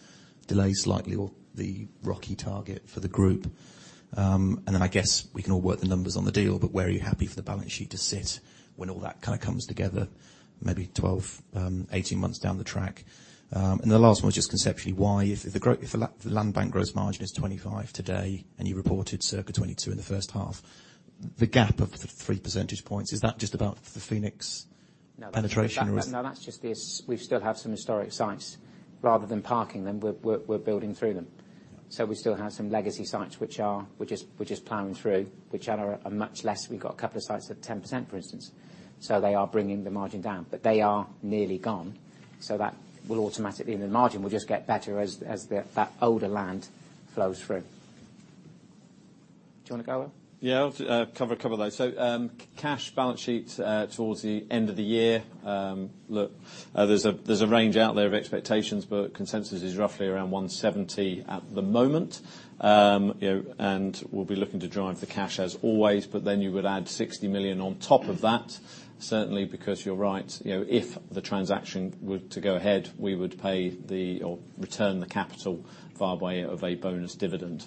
Speaker 6: delays slightly or the ROCE target for the group? I guess we can all work the numbers on the deal, but where are you happy for the balance sheet to sit when all that kind of comes together, maybe 12, 18 months down the track? The last one is just conceptually why, if the land bank gross margin is 25 today and you reported circa 22 in the first half, the gap of three percentage points, is that just about the Phoenix penetration or is?
Speaker 1: No. We still have some historic sites. Rather than parking them, we're building through them. We still have some legacy sites, which is plowing through. We've got a couple of sites at 10%, for instance. They are bringing the margin down. They are nearly gone, and the margin will just get better as that older land flows through. Do you want to go, Will?
Speaker 2: Yeah, I'll cover a couple of those. Cash balance sheet towards the end of the year. Look, there's a range out there of expectations, but consensus is roughly around 170 at the moment. We'll be looking to drive the cash as always, you would add 60 million on top of that, certainly because you're right. If the transaction were to go ahead, we would pay the, or return the capital via way of a bonus dividend.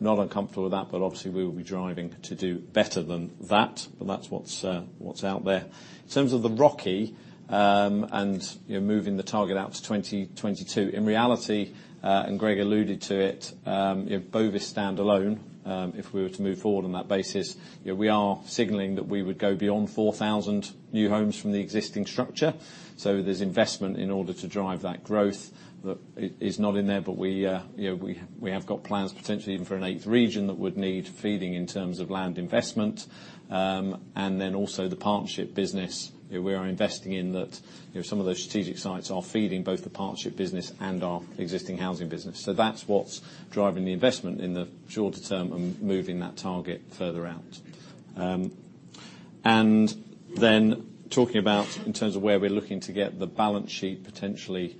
Speaker 2: Not uncomfortable with that, obviously we will be driving to do better than that. That's what's out there. In terms of the ROCE, moving the target out to 2022. In reality, Greg alluded to it, Bovis standalone, if we were to move forward on that basis, we are signaling that we would go beyond 4,000 new homes from the existing structure. There's investment in order to drive that growth that is not in there. We have got plans potentially even for an eighth region that would need feeding in terms of land investment. The partnership business. We are investing in that. Some of those strategic sites are feeding both the partnership business and our existing housing business. That's what's driving the investment in the shorter term and moving that target further out. Talking about in terms of where we're looking to get the balance sheet potentially,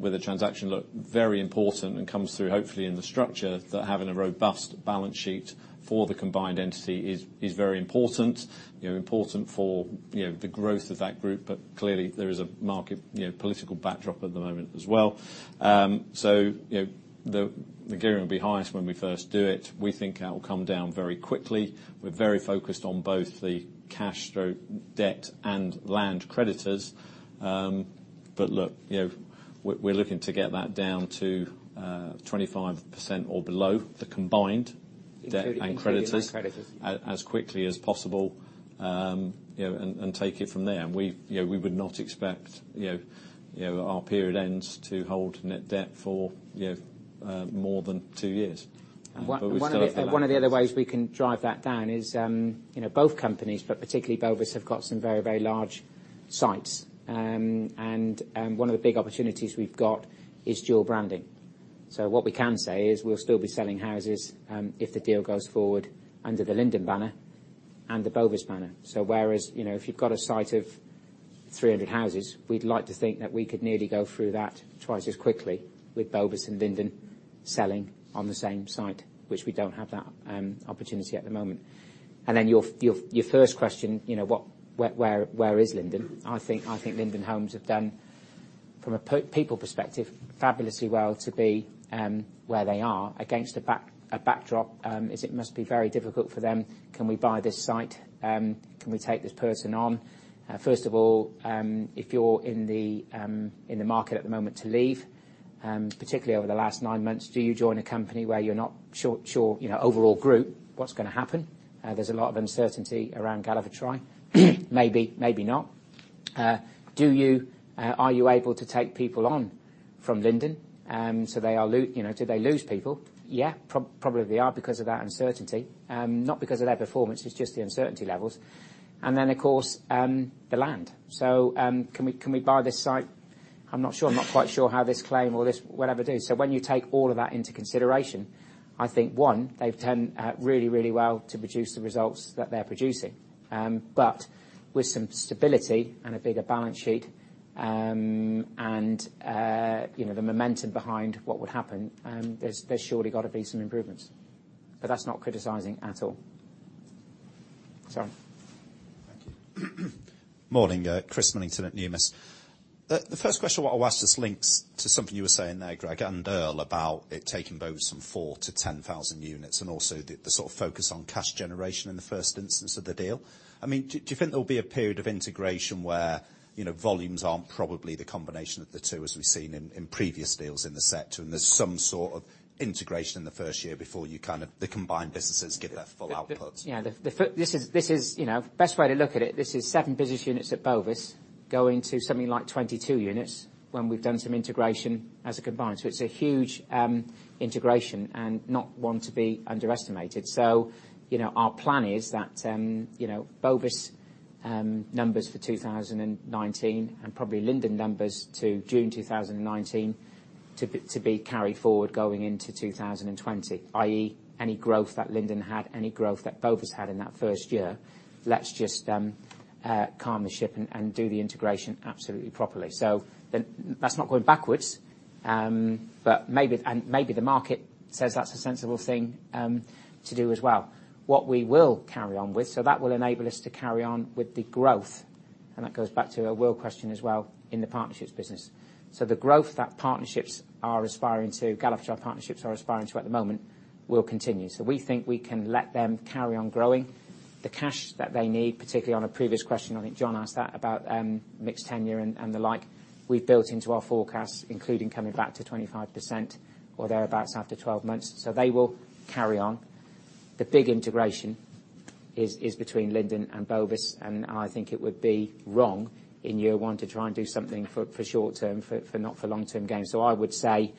Speaker 2: with a transaction look very important and comes through hopefully in the structure that having a robust balance sheet for the combined entity is very important. Important for the growth of that group. Clearly, there is a market, political backdrop at the moment as well. The gearing will be highest when we first do it. We think that will come down very quickly. We're very focused on both the cash/debt and land creditors. Look, we're looking to get that down to 25% or below the combined debt and creditors-
Speaker 1: Including land creditors.
Speaker 2: as quickly as possible, and take it from there. We would not expect our period ends to hold net debt for more than two years. We still have.
Speaker 1: One of the other ways we can drive that down is, both companies, but particularly Bovis, have got some very large sites. One of the big opportunities we've got is dual branding. What we can say is we'll still be selling houses, if the deal goes forward, under the Linden banner and the Bovis banner. Whereas, if you've got a site of 300 houses, we'd like to think that we could nearly go through that twice as quickly with Bovis and Linden selling on the same site, which we don't have that opportunity at the moment. Then your first question, where is Linden? I think Linden Homes have done, from a people perspective, fabulously well to be where they are against a backdrop, as it must be very difficult for them. Can we buy this site? Can we take this person on? First of all, if you're in the market at the moment to leave, particularly over the last nine months, do you join a company where you're not sure, overall group, what's going to happen? There's a lot of uncertainty around Galliford Try. Maybe, maybe not. Are you able to take people on from Linden? Do they lose people? Yeah, probably they are because of that uncertainty. Not because of their performance, it's just the uncertainty levels. Then, of course, the land. Can we buy this site? I'm not sure. I'm not quite sure how this claim or this, whatever do. When you take all of that into consideration, I think, one, they've done really well to produce the results that they're producing. With some stability and a bigger balance sheet, and the momentum behind what would happen, there's surely got to be some improvements. That's not criticizing at all. Sorry.
Speaker 7: Thank you. Morning, Chris Millington at Numis. The first question what I'll ask just links to something you were saying there, Greg and Earl, about it taking Bovis from 4 to 10,000 units, and also the sort of focus on cash generation in the first instance of the deal. Do you think there'll be a period of integration where, volumes aren't probably the combination of the two as we've seen in previous deals in the sector, and there's some sort of integration in the first year before the combined businesses give their full output?
Speaker 1: Yeah. The best way to look at it, this is 7 business units at Bovis, going to something like 22 units, when we've done some integration as a combined. It's a huge integration and not one to be underestimated. Our plan is that Bovis numbers for 2019 and probably Linden numbers to June 2019, to be carried forward going into 2020, i.e., any growth that Linden had, any growth that Bovis had in that first year, let's just calm the ship and do the integration absolutely properly. That's not going backwards. Maybe the market says that's a sensible thing to do as well. What we will carry on with, so that will enable us to carry on with the growth. That goes back to a Will question as well in the partnerships business. The growth that partnerships are aspiring to, Galliford Try Partnerships are aspiring to at the moment, will continue. We think we can let them carry on growing. The cash that they need, particularly on a previous question, I think John asked that about mixed tenure and the like, we've built into our forecasts, including coming back to 25% or thereabouts after 12 months. They will carry on. The big integration is between Linden and Bovis, and I think it would be wrong in year one to try and do something for short-term, for not for long-term gain. I would say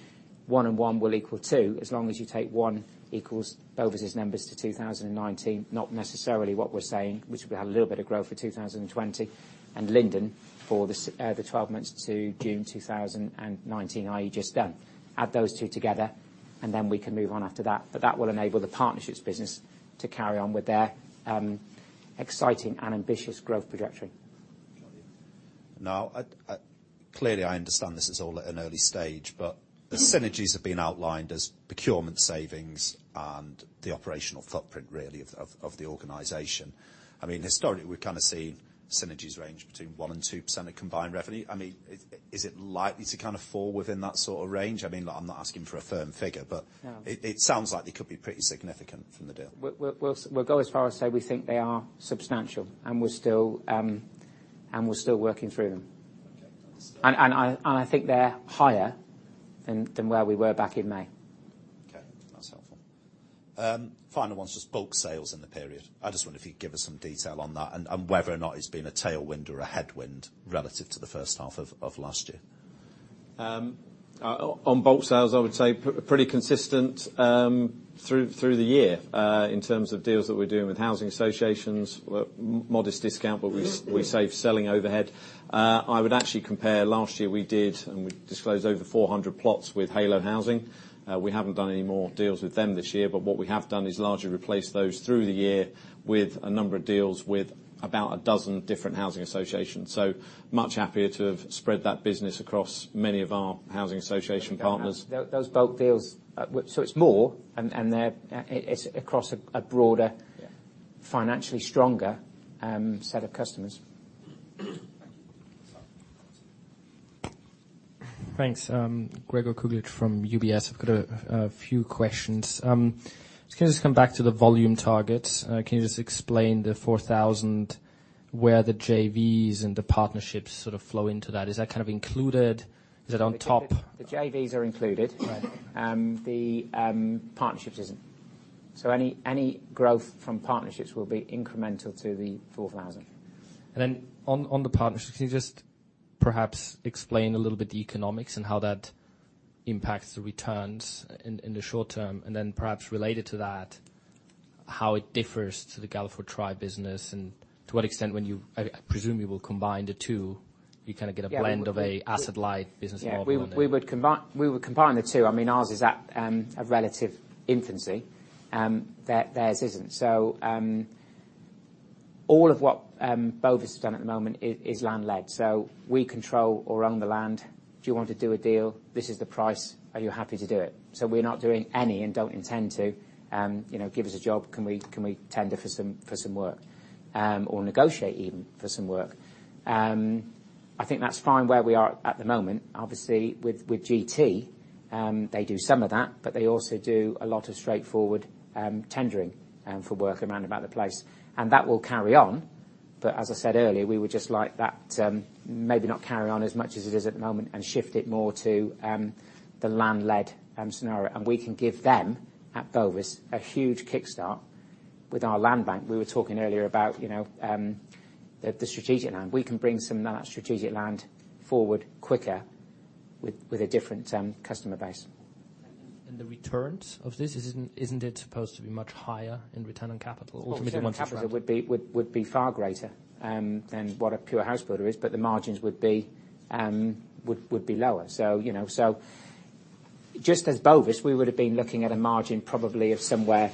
Speaker 1: one and one will equal two, as long as you take one equals Bovis' numbers to 2019, not necessarily what we're saying, which will be a little bit of growth for 2020, and Linden for the 12 months to June 2019, i.e., just done. Add those two together, and then we can move on after that. That will enable the Partnerships business to carry on with their exciting and ambitious growth trajectory.
Speaker 7: Now, clearly I understand this is all at an early stage, but the synergies have been outlined as procurement savings and the operational footprint really of the organization. Historically, we've kind of seen synergies range between 1% and 2% of combined revenue. Is it likely to kind of fall within that sort of range? I'm not asking for a firm figure.
Speaker 1: No
Speaker 7: It sounds like it could be pretty significant from the deal.
Speaker 1: We'll go as far as say we think they are substantial, and we're still working through them.
Speaker 7: Okay. Understood.
Speaker 1: I think they're higher than where we were back in May.
Speaker 7: Okay. That's helpful. Final one's just bulk sales in the period. I just wonder if you'd give us some detail on that and whether or not it's been a tailwind or a headwind relative to the first half of last year?
Speaker 2: On bulk sales, I would say pretty consistent through the year, in terms of deals that we're doing with housing associations. Modest discount, but we save selling overhead. I would actually compare, last year we did, and we disclosed over 400 plots with Halo Housing. We haven't done any more deals with them this year, but what we have done is largely replace those through the year with a number of deals with about a dozen different housing associations. Much happier to have spread that business across many of our housing association partners.
Speaker 1: Those bulk deals, so it's more, and it's across a broader.
Speaker 2: Yeah
Speaker 1: financially stronger, set of customers.
Speaker 7: Thank you.
Speaker 2: Sorry.
Speaker 8: Thanks. Gregor Kuglitsch from UBS. I've got a few questions. Can I just come back to the volume targets? Can you just explain the 4,000, where the JVs and the partnerships sort of flow into that? Is that kind of included? Is it on top?
Speaker 1: The JVs are included.
Speaker 8: Right.
Speaker 1: The partnerships isn't. Any growth from partnerships will be incremental to the 4,000.
Speaker 8: On the partnerships, can you just perhaps explain a little bit the economics and how that impacts the returns in the short term, and then perhaps related to that, how it differs to the Galliford Try business and to what extent when you, I presume you will combine the two, you kind of get a blend of an asset light business model?
Speaker 1: Yeah. We would combine the two. Ours is at a relative infancy. Theirs isn't. All of what Bovis has done at the moment is land led. We control or own the land. Do you want to do a deal? This is the price. Are you happy to do it? We're not doing any, and don't intend to. Give us a job, can we tender for some work? Negotiate even for some work. I think that's fine where we are at the moment. Obviously, with GT, they do some of that, but they also do a lot of straightforward tendering for work around about the place. That will carry on. As I said earlier, we would just like that, maybe not carry on as much as it is at the moment and shift it more to the land led scenario. We can give them, at Bovis, a huge kickstart with our land bank. We were talking earlier about the strategic land. We can bring some of that strategic land forward quicker with a different customer base.
Speaker 8: The returns of this, isn't it supposed to be much higher in return on capital?
Speaker 1: Return on capital would be far greater than what a pure house builder is. The margins would be lower. Just as Bovis, we would've been looking at a margin probably of somewhere,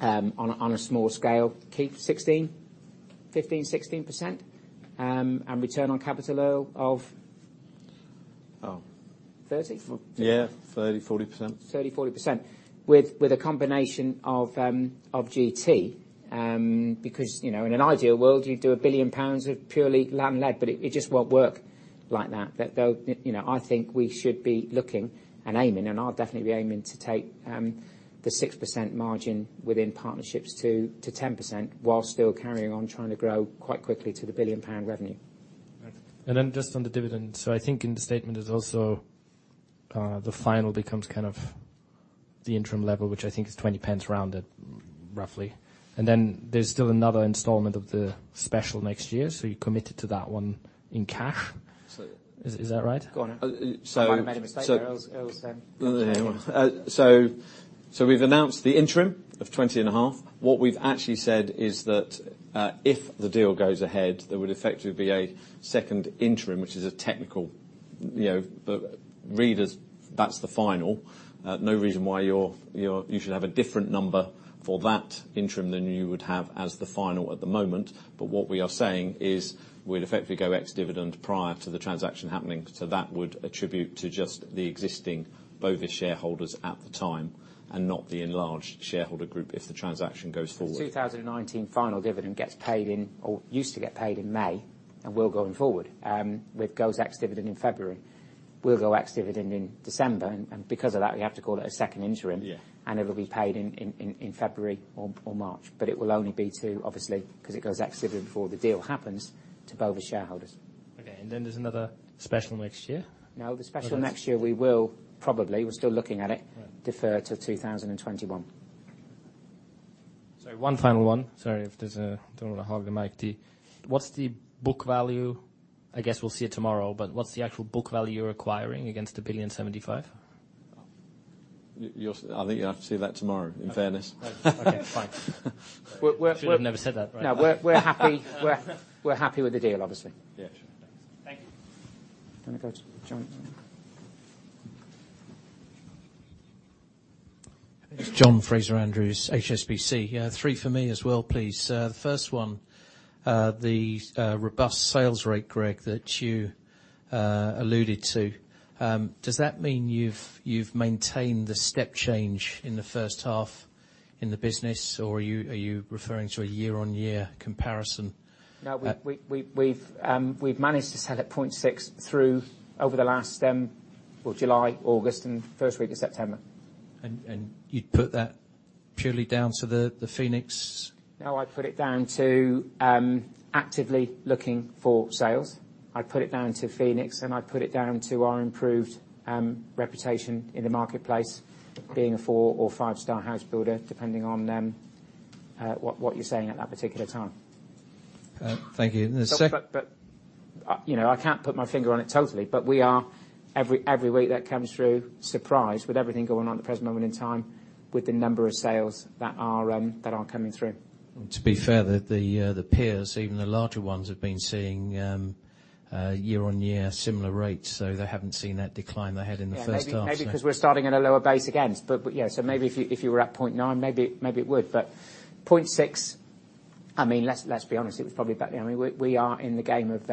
Speaker 1: on a small scale, 15%-16%, and return on capital Earl of.
Speaker 2: Oh.
Speaker 1: 30?
Speaker 2: Yeah, 30, 40%.
Speaker 1: 30, 40%. With a combination of GT, in an ideal world, you do 1 billion pounds of purely land led, but it just won't work like that. I think we should be looking and aiming, I'll definitely be aiming to take the 6% margin within partnerships to 10% while still carrying on trying to grow quite quickly to the 1 billion pound revenue.
Speaker 2: Okay.
Speaker 8: Just on the dividend, so I think in the statement is also the final becomes kind of the interim level, which I think is 0.20 rounded, roughly. There's still another installment of the special next year, so you're committed to that one in cash.
Speaker 1: Absolutely.
Speaker 8: Is that right?
Speaker 1: Go on.
Speaker 2: So-
Speaker 1: Might have made a mistake there.
Speaker 2: We've announced the interim of 20 and a half. What we've actually said is that, if the deal goes ahead, there would effectively be a second interim, which is a technical, but readers, that's the final. No reason why you should have a different number for that interim than you would have as the final at the moment. What we are saying is we'll effectively go ex-dividend prior to the transaction happening. That would attribute to just the existing Bovis shareholders at the time, and not the enlarged shareholder group if the transaction goes forward.
Speaker 1: The 2019 final dividend gets paid in, or used to get paid in May, and will going forward, with goes ex-dividend in February, will go ex-dividend in December. Because of that, we have to call it a second interim.
Speaker 2: Yeah.
Speaker 1: It'll be paid in February or March. It will only be to, obviously, because it goes ex-dividend before the deal happens, to Bovis shareholders.
Speaker 8: Okay, there's another special next year?
Speaker 1: No, the special next year we're still looking at it.
Speaker 8: Right
Speaker 1: defer to 2021.
Speaker 8: Sorry, one final one. Sorry, don't want to hog the mic. What's the book value? I guess we'll see it tomorrow, but what's the actual book value you're acquiring against the 1.075 billion?
Speaker 2: I think you'll have to see that tomorrow, in fairness.
Speaker 8: Okay, fine.
Speaker 1: We're-
Speaker 8: Should have never said that, right?
Speaker 1: No, we're happy with the deal, obviously.
Speaker 8: Yeah, sure. Thanks.
Speaker 2: Thank you.
Speaker 1: Do you want to go to John?
Speaker 9: It's John Fraser-Andrews, HSBC. Yeah, three for me as well, please. The first one, the robust sales rate, Greg, that you alluded to. Does that mean you've maintained the step change in the first half in the business, or are you referring to a year-over-year comparison?
Speaker 1: No, we've managed to sell at 0.6 through over the last, well, July, August, and first week of September.
Speaker 9: You'd put that purely down to the Phoenix?
Speaker 1: No, I'd put it down to actively looking for sales. I'd put it down to Phoenix, and I'd put it down to our improved reputation in the marketplace, being a four or five star house builder, depending on what you're saying at that particular time.
Speaker 9: Thank you.
Speaker 1: I can't put my finger on it totally, but we are, every week that comes through, surprised with everything going on at the present moment in time with the number of sales that are coming through.
Speaker 9: To be fair, the peers, even the larger ones, have been seeing year-on-year similar rates. They haven't seen that decline they had in the first half.
Speaker 1: Yeah, maybe because we're starting at a lower base again. Yeah, maybe if you were at 0.9, maybe it would. 0.6, let's be honest, it was probably about We are in the game of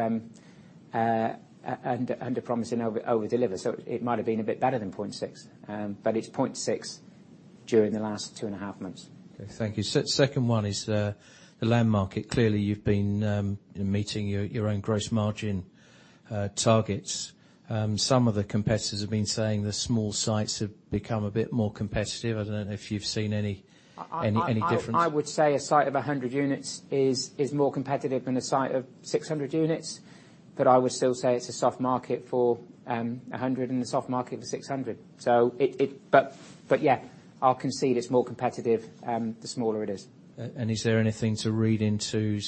Speaker 1: under promising, over deliver. It might have been a bit better than 0.6. It's 0.6 during the last two and a half months.
Speaker 9: Thank you. Second one is the land market. Clearly, you've been meeting your own gross margin targets. Some of the competitors have been saying the small sites have become a bit more competitive. I don't know if you've seen any difference.
Speaker 1: I would say a site of 100 units is more competitive than a site of 600 units. I would still say it's a soft market for 100 and a soft market for 600. Yeah, I'll concede it's more competitive the smaller it is.
Speaker 9: Is there anything to read into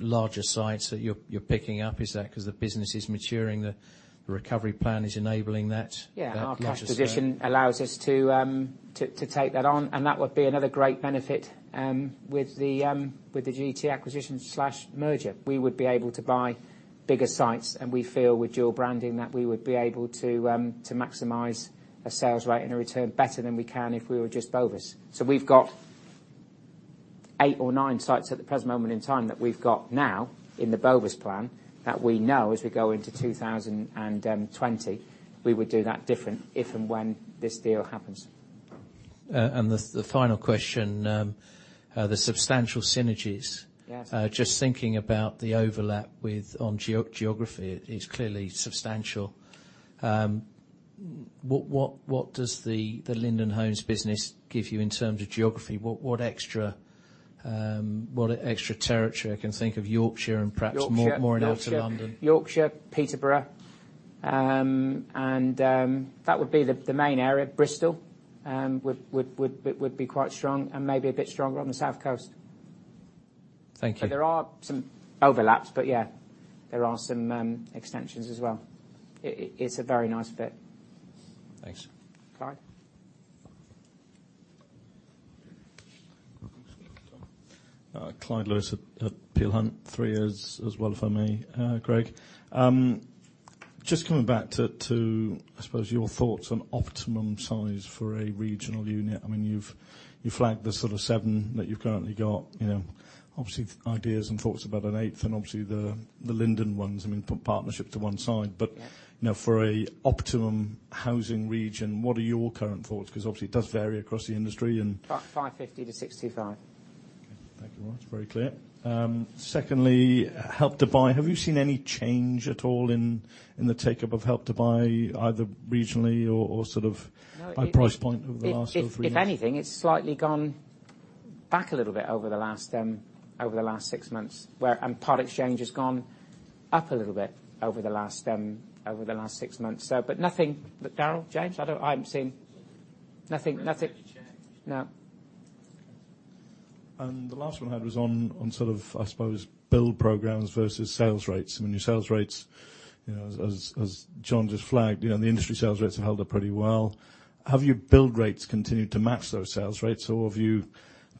Speaker 9: larger sites that you're picking up? Is that because the business is maturing, the recovery plan is enabling that larger scale?
Speaker 1: Yeah, our cash position allows us to take that on. That would be another great benefit with the GT acquisition/merger. We would be able to buy bigger sites. We feel with dual branding that we would be able to maximize a sales rate and a return better than we can if we were just Bovis. We've got eight or nine sites at the present moment in time that we've got now in the Bovis plan, that we know as we go into 2020, we would do that different if and when this deal happens.
Speaker 9: The final question, the substantial synergies.
Speaker 1: Yes.
Speaker 9: Just thinking about the overlap on geography, it is clearly substantial. What does the Linden Homes business give you in terms of geography? What extra territory? I can think of Yorkshire and perhaps more.
Speaker 1: Yorkshire
Speaker 9: in outer London.
Speaker 1: Yorkshire, Peterborough. That would be the main area. Bristol would be quite strong, and maybe a bit stronger on the South Coast.
Speaker 9: Thank you.
Speaker 1: There are some overlaps, but yeah, there are some extensions as well. It's a very nice fit.
Speaker 9: Thanks.
Speaker 1: Clyde?
Speaker 10: Clyde Lewis at Peel Hunt. Three as well from me, Greg. Just coming back to, I suppose, your thoughts on optimum size for a regional unit. You've flagged the sort of seven that you've currently got. Obviously, ideas and thoughts about an eighth and obviously the Linden ones, put partnership to one side.
Speaker 1: Yeah.
Speaker 10: For a optimum housing region, what are your current thoughts? Obviously it does vary across the industry and.
Speaker 1: About 550 to 65.
Speaker 10: Okay. Thank you. Well, that's very clear. Secondly, Help to Buy. Have you seen any change at all in the take-up of Help to Buy, either regionally or by price point over the last sort of three months?
Speaker 1: If anything, it's slightly gone back a little bit over the last six months, and product change has gone up a little bit over the last six months. Daryl, James? I haven't seen Nothing. Nothing.
Speaker 9: Nothing's really changed.
Speaker 1: No.
Speaker 10: The last one I had was on, I suppose, build programs versus sales rates. I mean, your sales rates, as John just flagged, the industry sales rates have held up pretty well. Have your build rates continued to match those sales rates, or have you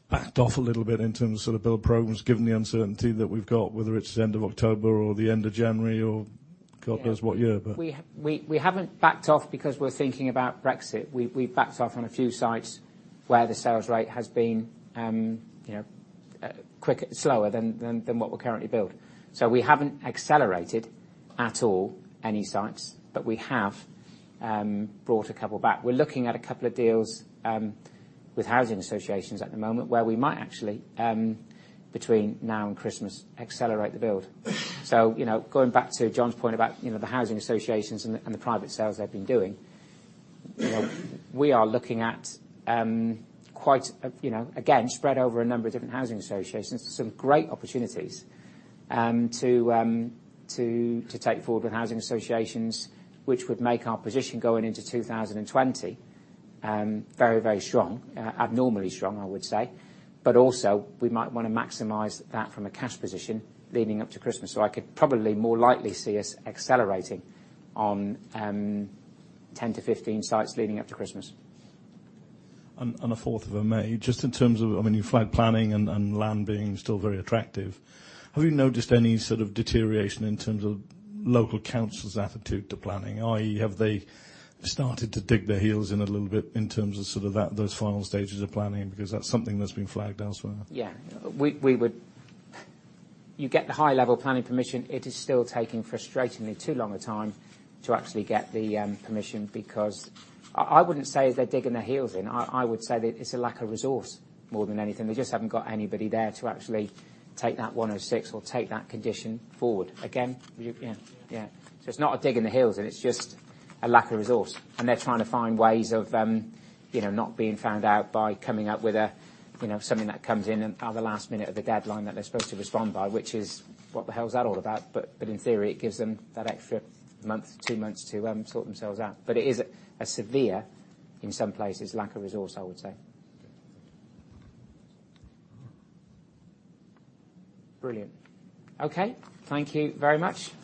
Speaker 10: backed off a little bit in terms of sort of build programs, given the uncertainty that we've got, whether it's the end of October or the end of January or God knows what year?
Speaker 1: We haven't backed off because we're thinking about Brexit. We backed off on a few sites where the sales rate has been slower than what we're currently build. We haven't accelerated at all any sites, but we have brought a couple back. We're looking at a couple of deals with housing associations at the moment where we might actually, between now and Christmas, accelerate the build. Going back to John's point about the housing associations and the private sales they've been doing, we are looking at quite, again, spread over a number of different housing associations, some great opportunities to take forward with housing associations, which would make our position going into 2020 very, very strong, abnormally strong, I would say. Also, we might want to maximize that from a cash position leading up to Christmas. I could probably more likely see us accelerating on 10-15 sites leading up to Christmas.
Speaker 10: A fourth one may, just in terms of, you flag planning and land being still very attractive, have you noticed any sort of deterioration in terms of local council's attitude to planning, i.e., have they started to dig their heels in a little bit in terms of sort of those final stages of planning? That's something that's been flagged elsewhere.
Speaker 1: Yeah. You get the high level planning permission, it is still taking frustratingly too long a time to actually get the permission. I wouldn't say they're digging their heels in. I would say that it's a lack of resource more than anything. They just haven't got anybody there to actually take that 106 or take that condition forward. Again? Yeah. It's not a dig in the heels, it's just a lack of resource, and they're trying to find ways of not being found out by coming up with something that comes in at the last minute of the deadline that they're supposed to respond by, which is what the hell is that all about? In theory, it gives them that extra month, two months to sort themselves out. It is a severe, in some places, lack of resource, I would say. Brilliant. Okay. Thank you very much all.